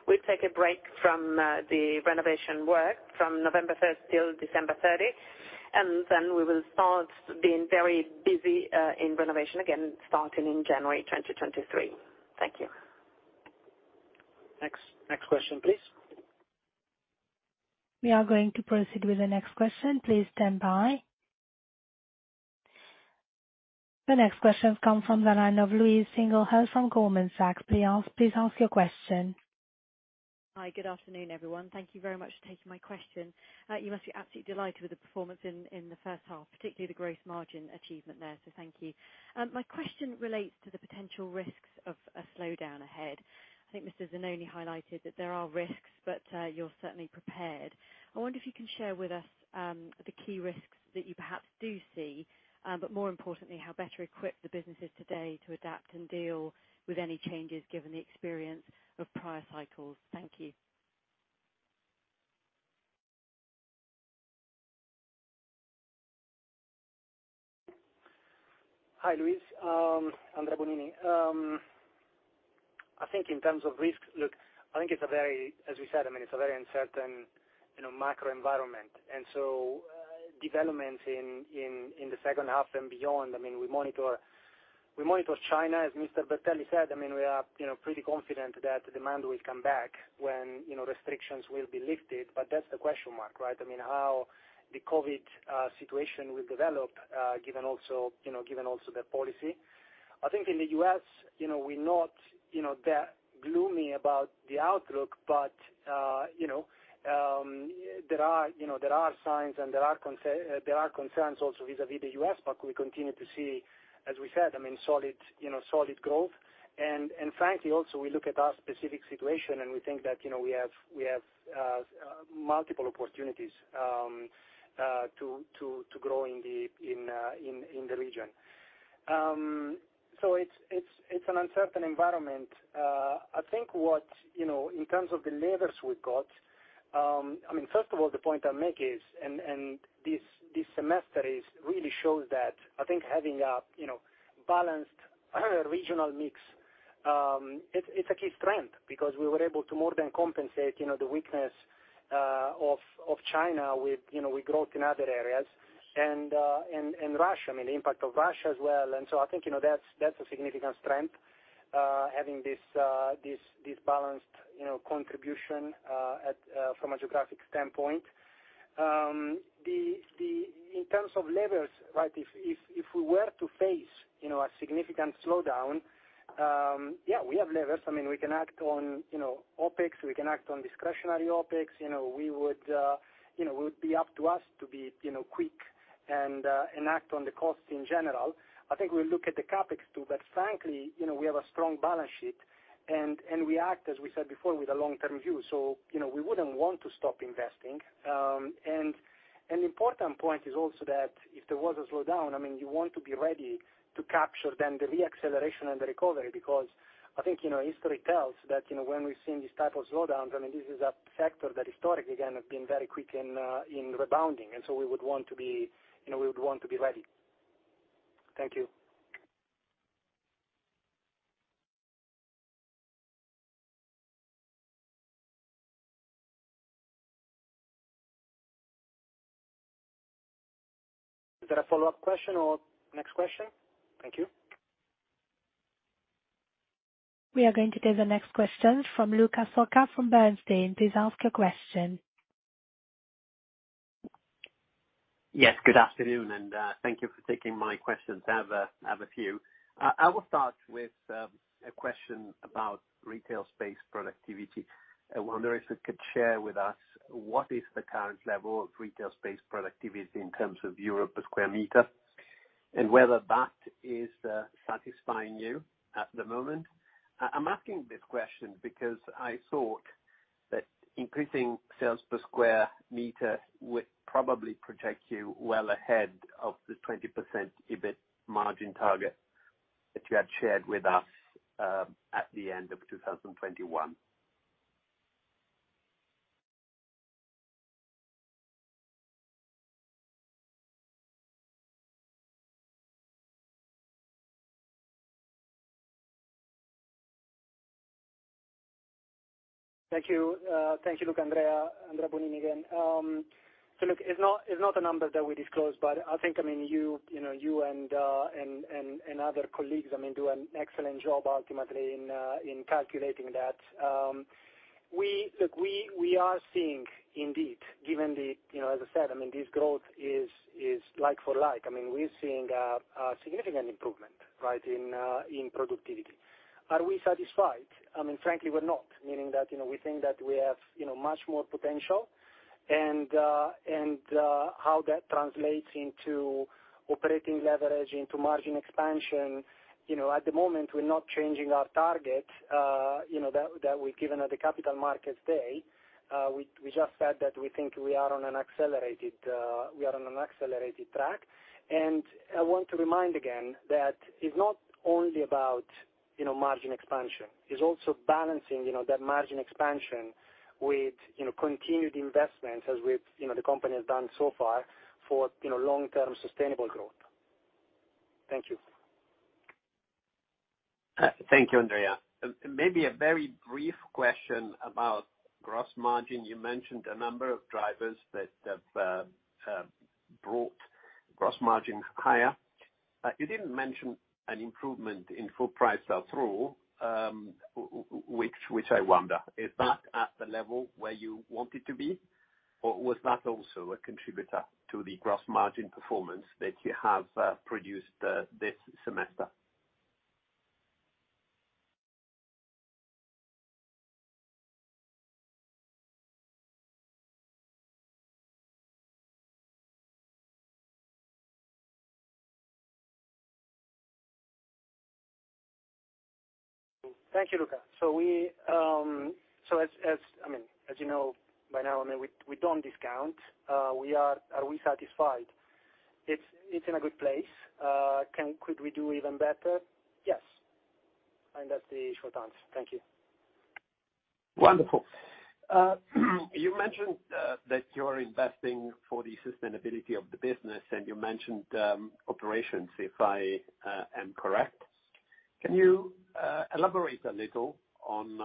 We take a break from the renovation work from November 1 till December 30, and then we will start being very busy in renovation again starting in January 2023. Thank you. Next question, please. We are going to proceed with the next question. Please stand by. The next question comes from the line of Louise Singlehurst from Goldman Sachs. Please ask your question. Hi. Good afternoon, everyone. Thank you very much for taking my question. You must be absolutely delighted with the performance in the first half, particularly the gross margin achievement there, so thank you. My question relates to the potential risks of a slowdown ahead. I think Mr. Zannoni highlighted that there are risks, but you're certainly prepared. I wonder if you can share with us the key risks that you perhaps do see, but more importantly, how better equipped the business is today to adapt and deal with any changes given the experience of prior cycles. Thank you. Hi, Louise. Andrea Bonini. I think in terms of risk, look, I think it's a very, as we said, I mean, it's a very uncertain, you know, macro environment. Developments in the second half and beyond, I mean, we monitor China. As Mr. Bertelli said, I mean, we are, you know, pretty confident that demand will come back when, you know, restrictions will be lifted. But that's the question mark, right? I mean, how the COVID situation will develop, given also, you know, the policy. I think in the U.S., you know, we're not that gloomy about the outlook, but, you know, there are signs, and there are concerns also vis-à-vis the U.S. We continue to see, as we said, I mean, solid, you know, solid growth. Frankly, also, we look at our specific situation, and we think that, you know, we have multiple opportunities to grow in the region. So it's an uncertain environment. I think what, you know, in terms of the levers we've got, I mean, first of all, the point I make is, this semester really shows that I think having a, you know, balanced regional mix, it's a key strength. Because we were able to more than compensate, you know, the weakness of China with, you know, with growth in other areas. Russia, I mean, the impact of Russia as well. I think, you know, that's a significant strength, having this balanced, you know, contribution from a geographic standpoint. In terms of levers, right? If we were to face, you know, a significant slowdown, yeah, we have levers. I mean, we can act on, you know, OpEx, we can act on discretionary OpEx. You know, we would, you know, it would be up to us to be, you know, quick and act on the costs in general. I think we look at the CapEx too, but frankly, you know, we have a strong balance sheet, and we act, as we said before, with a long-term view. You know, we wouldn't want to stop investing. An important point is also that if there was a slowdown, I mean, you want to be ready to capture then the re-acceleration and the recovery. Because I think, you know, history tells that, you know, when we've seen these type of slowdowns, I mean, this is a sector that historically, again, have been very quick in in rebounding. We would want to be, you know, we would want to be ready. Thank you. Is there a follow-up question or next question? Thank you. We are going to take the next question from Luca Solca from Bernstein. Please ask your question. Yes, good afternoon, and thank you for taking my questions. I have a few. I will start with a question about retail space productivity. I wonder if you could share with us what is the current level of retail space productivity in terms of euros per square meter, and whether that is satisfying you at the moment. I'm asking this question because I thought that increasing sales per square meter would probably put you well ahead of the 20% EBIT margin target that you had shared with us at the end of 2021. Thank you. Thank you, look, Andrea Bonini again. So look, it's not a number that we disclose, but I think, I mean, you know, you and other colleagues, I mean, do an excellent job ultimately in calculating that. Look, we are seeing, indeed, given the, you know, as I said, I mean, this growth is like for like. I mean, we're seeing a significant improvement, right, in productivity. Are we satisfied? I mean, frankly, we're not. Meaning that, you know, we think that we have, you know, much more potential, and how that translates into operating leverage, into margin expansion. You know, at the moment, we're not changing our target, you know, that we've given at the Capital Markets Day. We just said that we think we are on an accelerated track. I want to remind again that it's not only about, you know, margin expansion. It's also balancing, you know, that margin expansion with, you know, continued investment as the company has done so far for, you know, long-term sustainable growth. Thank you. Thank you, Andrea. Maybe a very brief question about gross margin. You mentioned a number of drivers that have brought gross margins higher. You didn't mention an improvement in full price sell-through, which I wonder, is that at the level where you want it to be, or was that also a contributor to the gross margin performance that you have produced this semester? Thank you, Luca. As you know by now, I mean, we don't discount. Are we satisfied? It's in a good place. Could we do even better? Yes. That's the short answer. Thank you. Wonderful. You mentioned that you're investing for the sustainability of the business, and you mentioned operations if I am correct. Can you elaborate a little on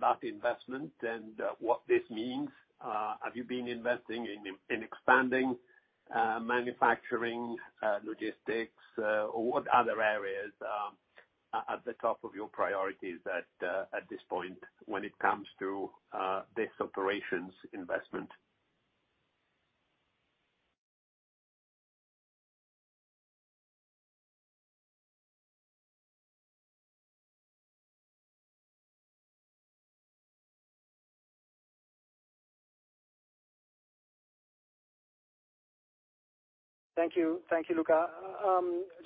that investment and what this means? Have you been investing in expanding manufacturing logistics or what other areas? At the top of your priorities at this point when it comes to this operation's investment. Thank you. Thank you, Luca.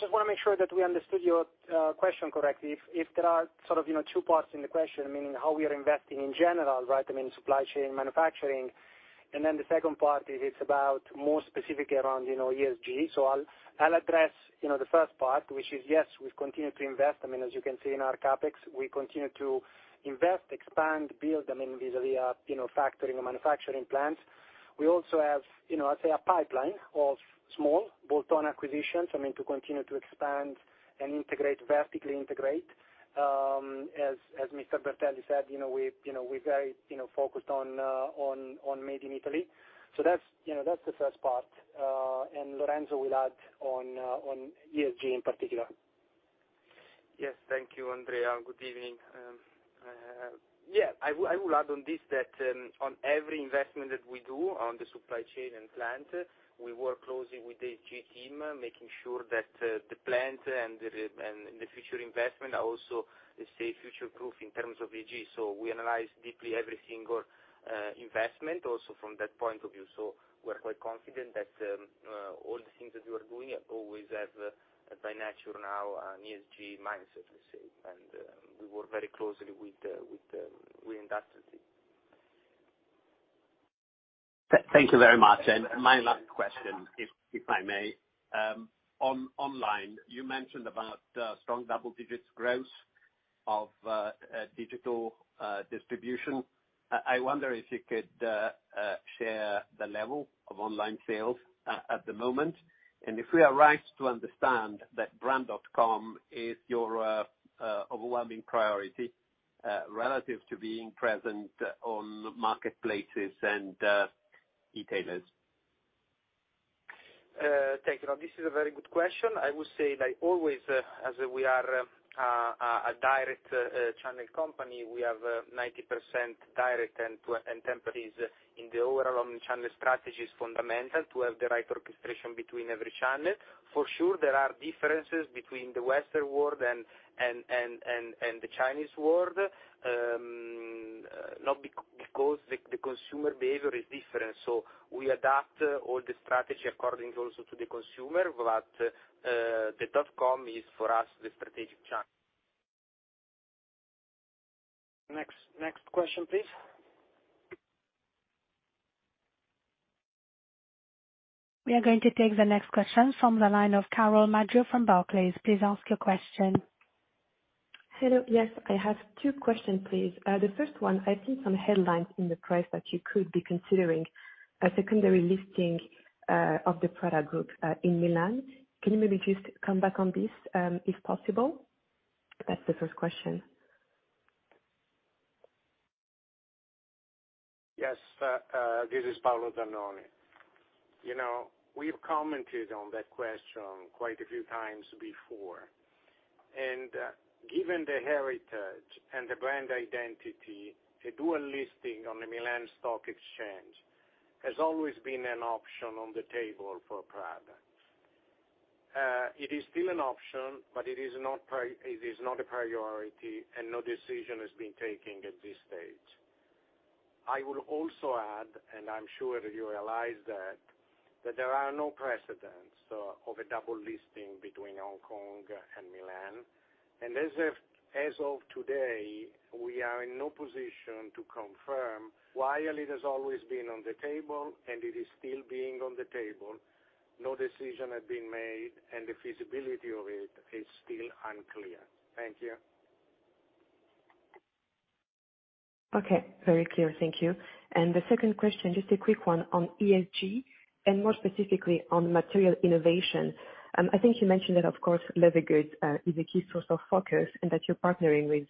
Just wanna make sure that we understood your question correctly. If there are sort of, you know, two parts in the question, meaning how we are investing in general, right? I mean, supply chain, manufacturing. The second part is, it's about more specific around, you know, ESG. I'll address, you know, the first part, which is yes, we've continued to invest. I mean, as you can see in our CapEx, we continue to invest, expand, build, I mean, vis-a-vis, you know, factory or manufacturing plants. We also have, you know, I'll say a pipeline of small bolt-on acquisitions, I mean, to continue to expand and integrate, vertically integrate. As Mr. Bertelli said, you know, we're very, you know, focused on made in Italy. So that's, you know, that's the first part. Lorenzo will add on to ESG in particular. Yes. Thank you, Andrea. Good evening. I will add on this that on every investment that we do on the supply chain and plant, we work closely with the ESG team, making sure that the plant and the future investment are also stay future-proof in terms of ESG. We analyze deeply every single investment also from that point of view so we're quite confident that all the things that we are doing always have by nature now an ESG lens, let me say. and we work very closely with industry. Thank you very much. My last question, if I may. Online, you mentioned about strong double-digit growth of digital distribution. I wonder if you could share the level of online sales at the moment, and if we are right to understand that brand.com is your overwhelming priority relative to being present on marketplaces and e-tailers. Thank you. This is a very good question. I would say like always, as we are a direct channel company, we have 90% direct and temporary is in the overall channel strategy's fundamental to have the right orchestration between every channel. For sure, there are differences between the Western world and the Chinese world, not because the consumer behavior is different so we adapt all the strategy according also to the consumer. The dot com is for us, the strategic channel. Next question, please. We are going to take the next question from the line of Carole Madjo from Barclays. Please ask your question. Hello. Yes, I have two questions, please. The first one, I've seen some headlines in the press that you could be considering a secondary listing of the Prada Group in Milan. Can you maybe just come back on this, if possible? That's the first question. Yes. This is Paolo Zannoni. You know, we've commented on that question quite a few times before. And given the heritage and the brand identity, a dual listing on the Milan Stock Exchange has always been an option on the table for Prada. It is still an option, but it is not a priority, and no decision has been taken at this stage. I will also add, and I'm sure you realize that there are no precedents of a double listing between Hong Kong and Milan and as of today, we are in no position to confirm. While it has always been on the table, and it is still being on the table, no decision has been made, and the feasibility of it is still unclear. Thank you. Okay. Very clear. Thank you. The second question, just a quick one on ESG and more specifically on material innovation. I think you mentioned that of course leather goods is a key source of focus and that you're partnering with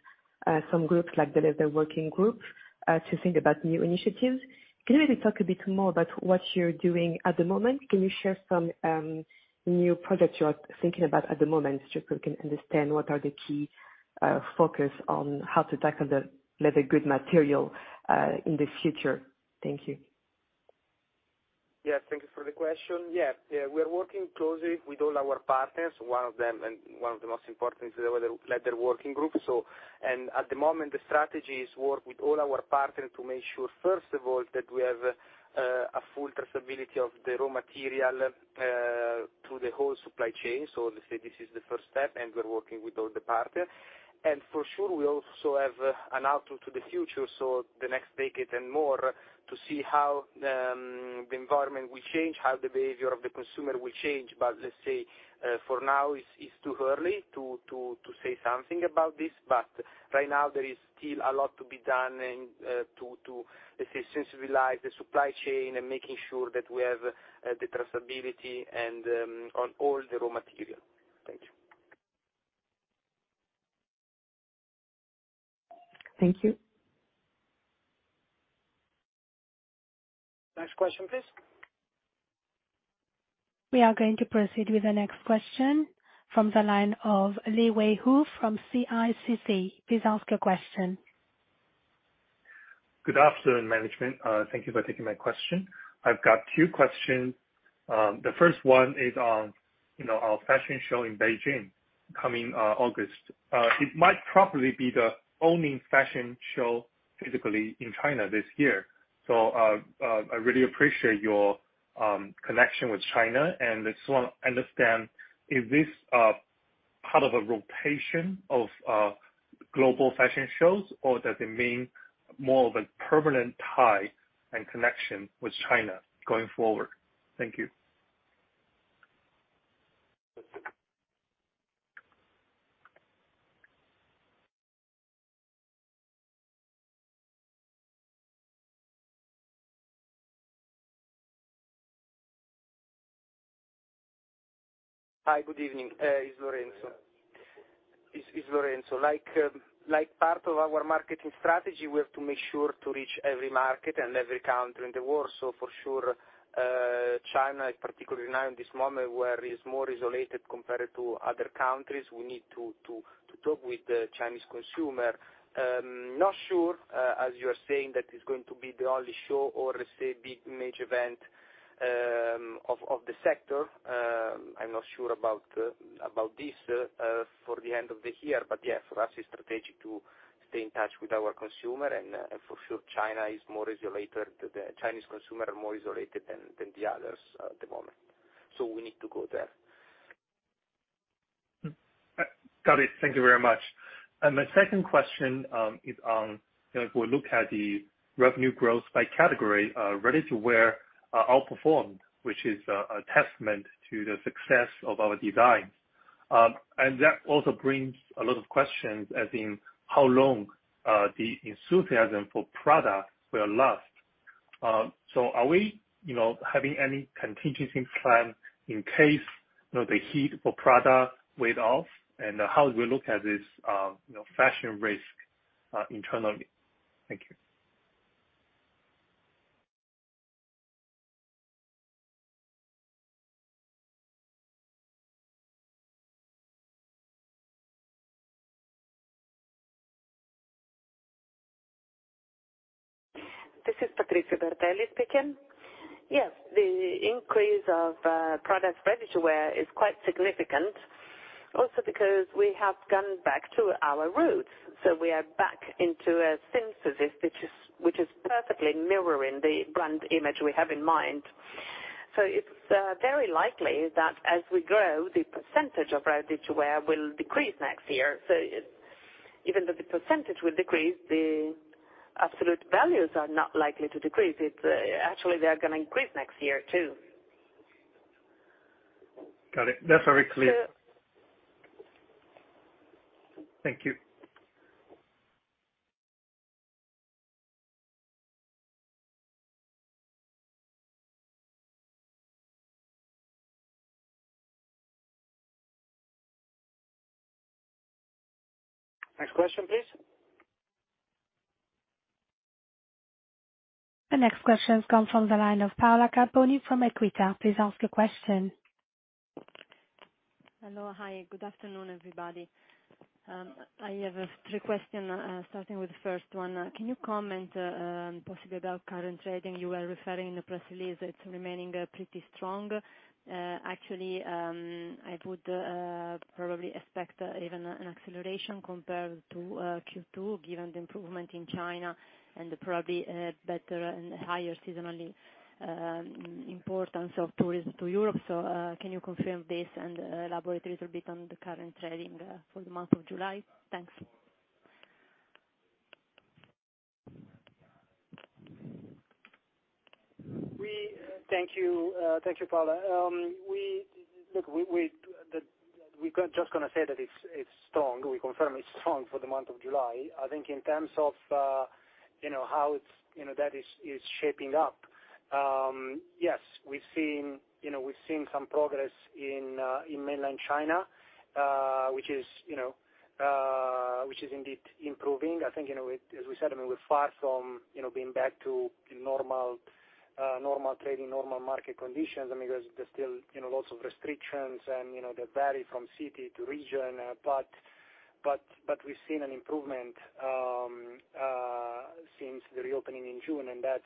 some groups like the Leather Working Group to think about new initiatives. Can you maybe talk a bit more about what you're doing at the moment? Can you share some new products you are thinking about at the moment, just so we can understand what are the key focus on how to tackle the leather good material in the future? Thank you. Yes. Thank you for the question. Yeah, we are working closely with all our partners, one of them and one of the most important is the Leather Working Group. And at the moment the strategy is work with all our partners to make sure first of all that we have a full traceability of the raw material through the whole supply chain. So, let's say this is the first step, and we're working with all the partners. For sure, we also have an outlook to the future, so the next decade and more, to see how the environment will change, how the behavior of the consumer will change. Let's say, for now is too early to say something about this, but right now there is still a lot to be done and to let's say, sensibilize the supply chain and making sure that we have the traceability and on all the raw material. Thank you. Thank you. Next question, please. We are going to proceed with the next question from the line of Liwei Hou from CICC. Please ask your question. Good afternoon, management. Thank you for taking my question. I've got two questions. The first one is on, you know, our fashion show in Beijing coming August. It might probably be the only fashion show physically in China this year, so I really appreciate your connection with China, and I just wanna understand, is this part of a rotation of global fashion shows, or does it mean more of a permanent tie and connection with China going forward? Thank you. Hi. Good evening. It's Lorenzo. This is Lorenzo. Like part of our marketing strategy, we have to make sure to reach every market and every country in the world. For sure, China, particularly now in this moment where it's more isolated compared to other countries, we need to talk with the Chinese consumer. Not sure, as you are saying, that it's going to be the only show or it's a big, major event, of the sector. I'm not sure about this for the end of the year. Yeah, for us it's strategic to stay in touch with our consumer and for sure China is more isolated, the Chinese consumer are more isolated than the others at the moment, so we need to go there. Got it. Thank you very much. My second question is on, you know, if we look at the revenue growth by category, ready-to-wear outperformed, which is a testament to the success of our design. That also brings a lot of questions as in how long the enthusiasm for product will last. So, are we, you know, having any contingency plan in case, you know, the heat for product wears off, and how do we look at this, you know, fashion risk, internally? Thank you. This is Patrizio Bertelli speaking. Yes, the increase of products ready-to-wear is quite significant also because we have gone back to our roots. We are back into a synthesis, which is perfectly mirroring the brand image we have in mind. So, it's very likely that as we grow, the percentage of ready-to-wear will decrease next year. Even though the percentage will decrease, the absolute values are not likely to decrease. Actually, they are gonna increase next year, too. Got it. That's very clear. Thank you. Next question, please. The next question comes from the line of Paola Carboni from Equita. Please ask your question. Hello. Hi, good afternoon, everybody. I have three questions, starting with the first one. Can you comment possibly about current trading? You were referring in the press release it's remaining pretty strong. Actually, I would probably expect even an acceleration compared to Q2 given the improvement in China and probably a better and higher seasonally importance of tourism to Europe, so can you confirm this and elaborate a little bit on the current trading for the month of July? Thanks. Thank you, Paola. We just gonna say that it's strong. We confirm it's strong for the month of July. I think in terms of, you know, how it's shaping up, yes, we've seen some progress in mainland China, which is indeed improving. I think, you know, as we said, I mean, we're far from being back to normal trading, normal market conditions. I mean, there's still lots of restrictions and they vary from city to region. But we've seen an improvement since the reopening in June, and that's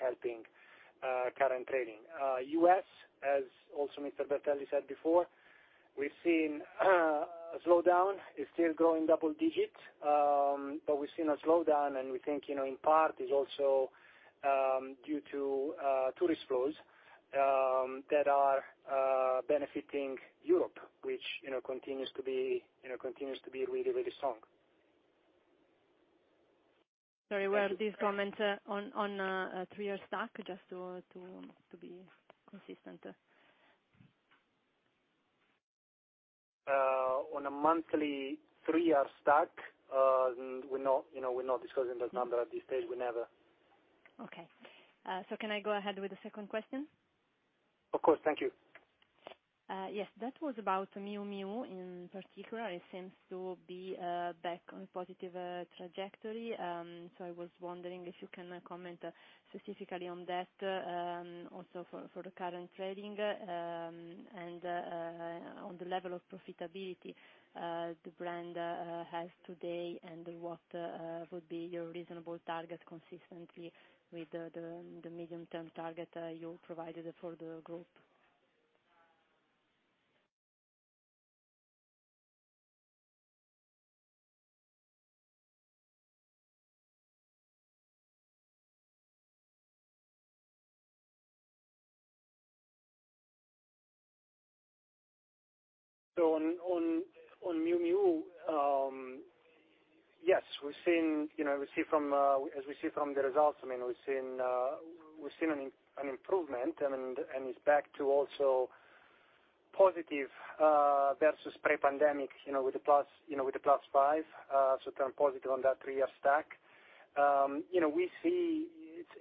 helping current trading. U.S., as also Mr. Bertelli said before, we've seen a slowdown. It's still growing double digits, but we've seen a slowdown and we think, you know, in part is also due to tourist flows that are benefiting Europe, which, you know, continues to be really, really strong. Sorry, were these comments on a 3-year stack, just to be consistent? On a monthly 3-year stack, we're not, you know, discussing that number at this stage. We never. Okay. Can I go ahead with the second question? Of course. Thank you. Yes, that was about Miu Miu in particular. It seems to be back on positive trajectory. So I was wondering if you can comment specifically on that, also for the current trading, and on the level of profitability the brand has today, and what would be your reasonable target consistently with the medium-term target you provided for the group. On Miu Miu, yes, we're seeing. You know, we see from the results, I mean, we're seeing an improvement and it's back to also positive versus pre-pandemic, you know, with the plus 5%, so turn positive on that 3-year stack. You know, we see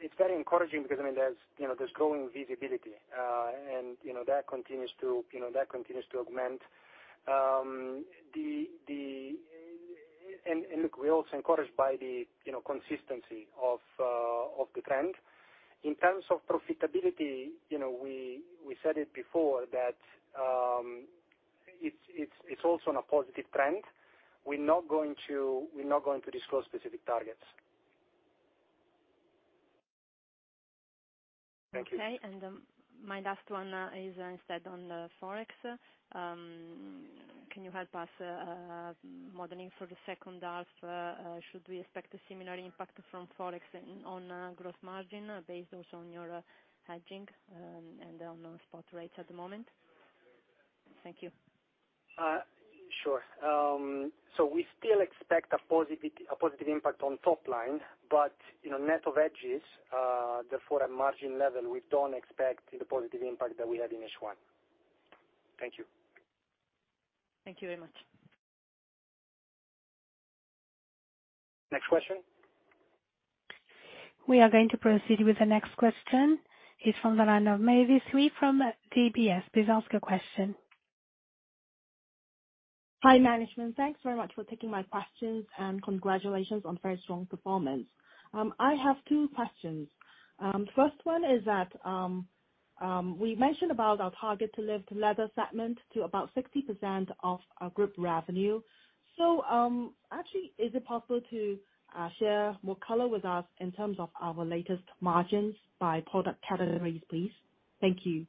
it's very encouraging because, I mean, there's growing visibility. You know, that continues to augment the. Look, we're also encouraged by the consistency of the trend. In terms of profitability, you know, we said it before that it's also on a positive trend. We're not going to disclose specific targets. Okay. Thank you. My last one is instead on the FX. Can you help us modeling for the second half, should we expect a similar impact from FX on gross margin based also on your hedging, and on known spot rates at the moment? Thank you. Sure. We still expect a positive impact on top line, but you know, net of hedges, therefore at margin level, we don't expect the positive impact that we had in H1. Thank you. Thank you very much. Next question. We are going to proceed with the next question. It's from the line of Mavis Hui from DBS. Please ask your question. Hi, management. Thanks very much for taking my questions, and congratulations on very strong performance. I have 2 questions. First one is that we mentioned about our target to lift leather segment to about 60% of our group revenue. Actually, is it possible to share more color with us in terms of our latest margins by product categories, please? Thank you.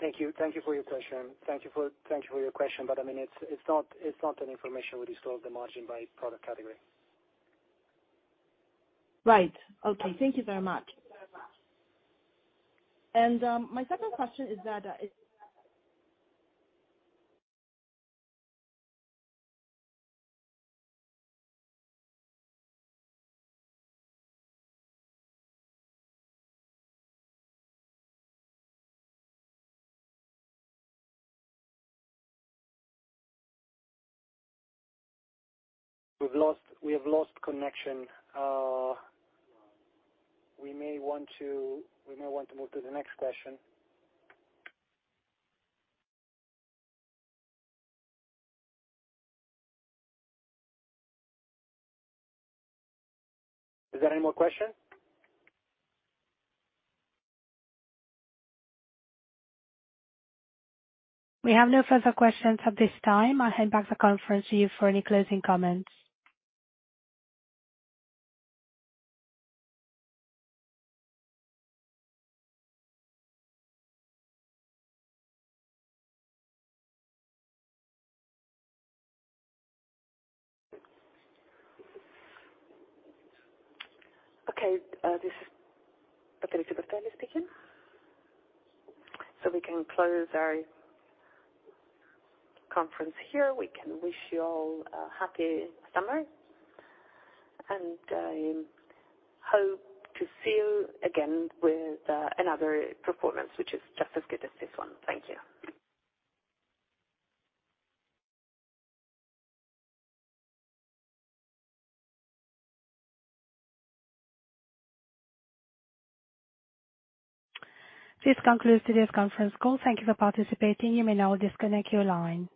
Thank you for your question, but I mean, it's not an information. We disclose the margin by product category. Right. Okay. Thank you very much. And my second question is that. We have lost connection. We may want to move to the next question. Is there any more questions? We have no further questions at this time. I'll hand back the conference to you for any closing comments. Okay. This is Patrizio Bertelli speaking. We can close our conference here. We can wish you all a happy summer, and hope to see you again with another performance, which is just as good as this one. Thank you. This concludes today's conference call. Thank you for participating. You may now disconnect your line.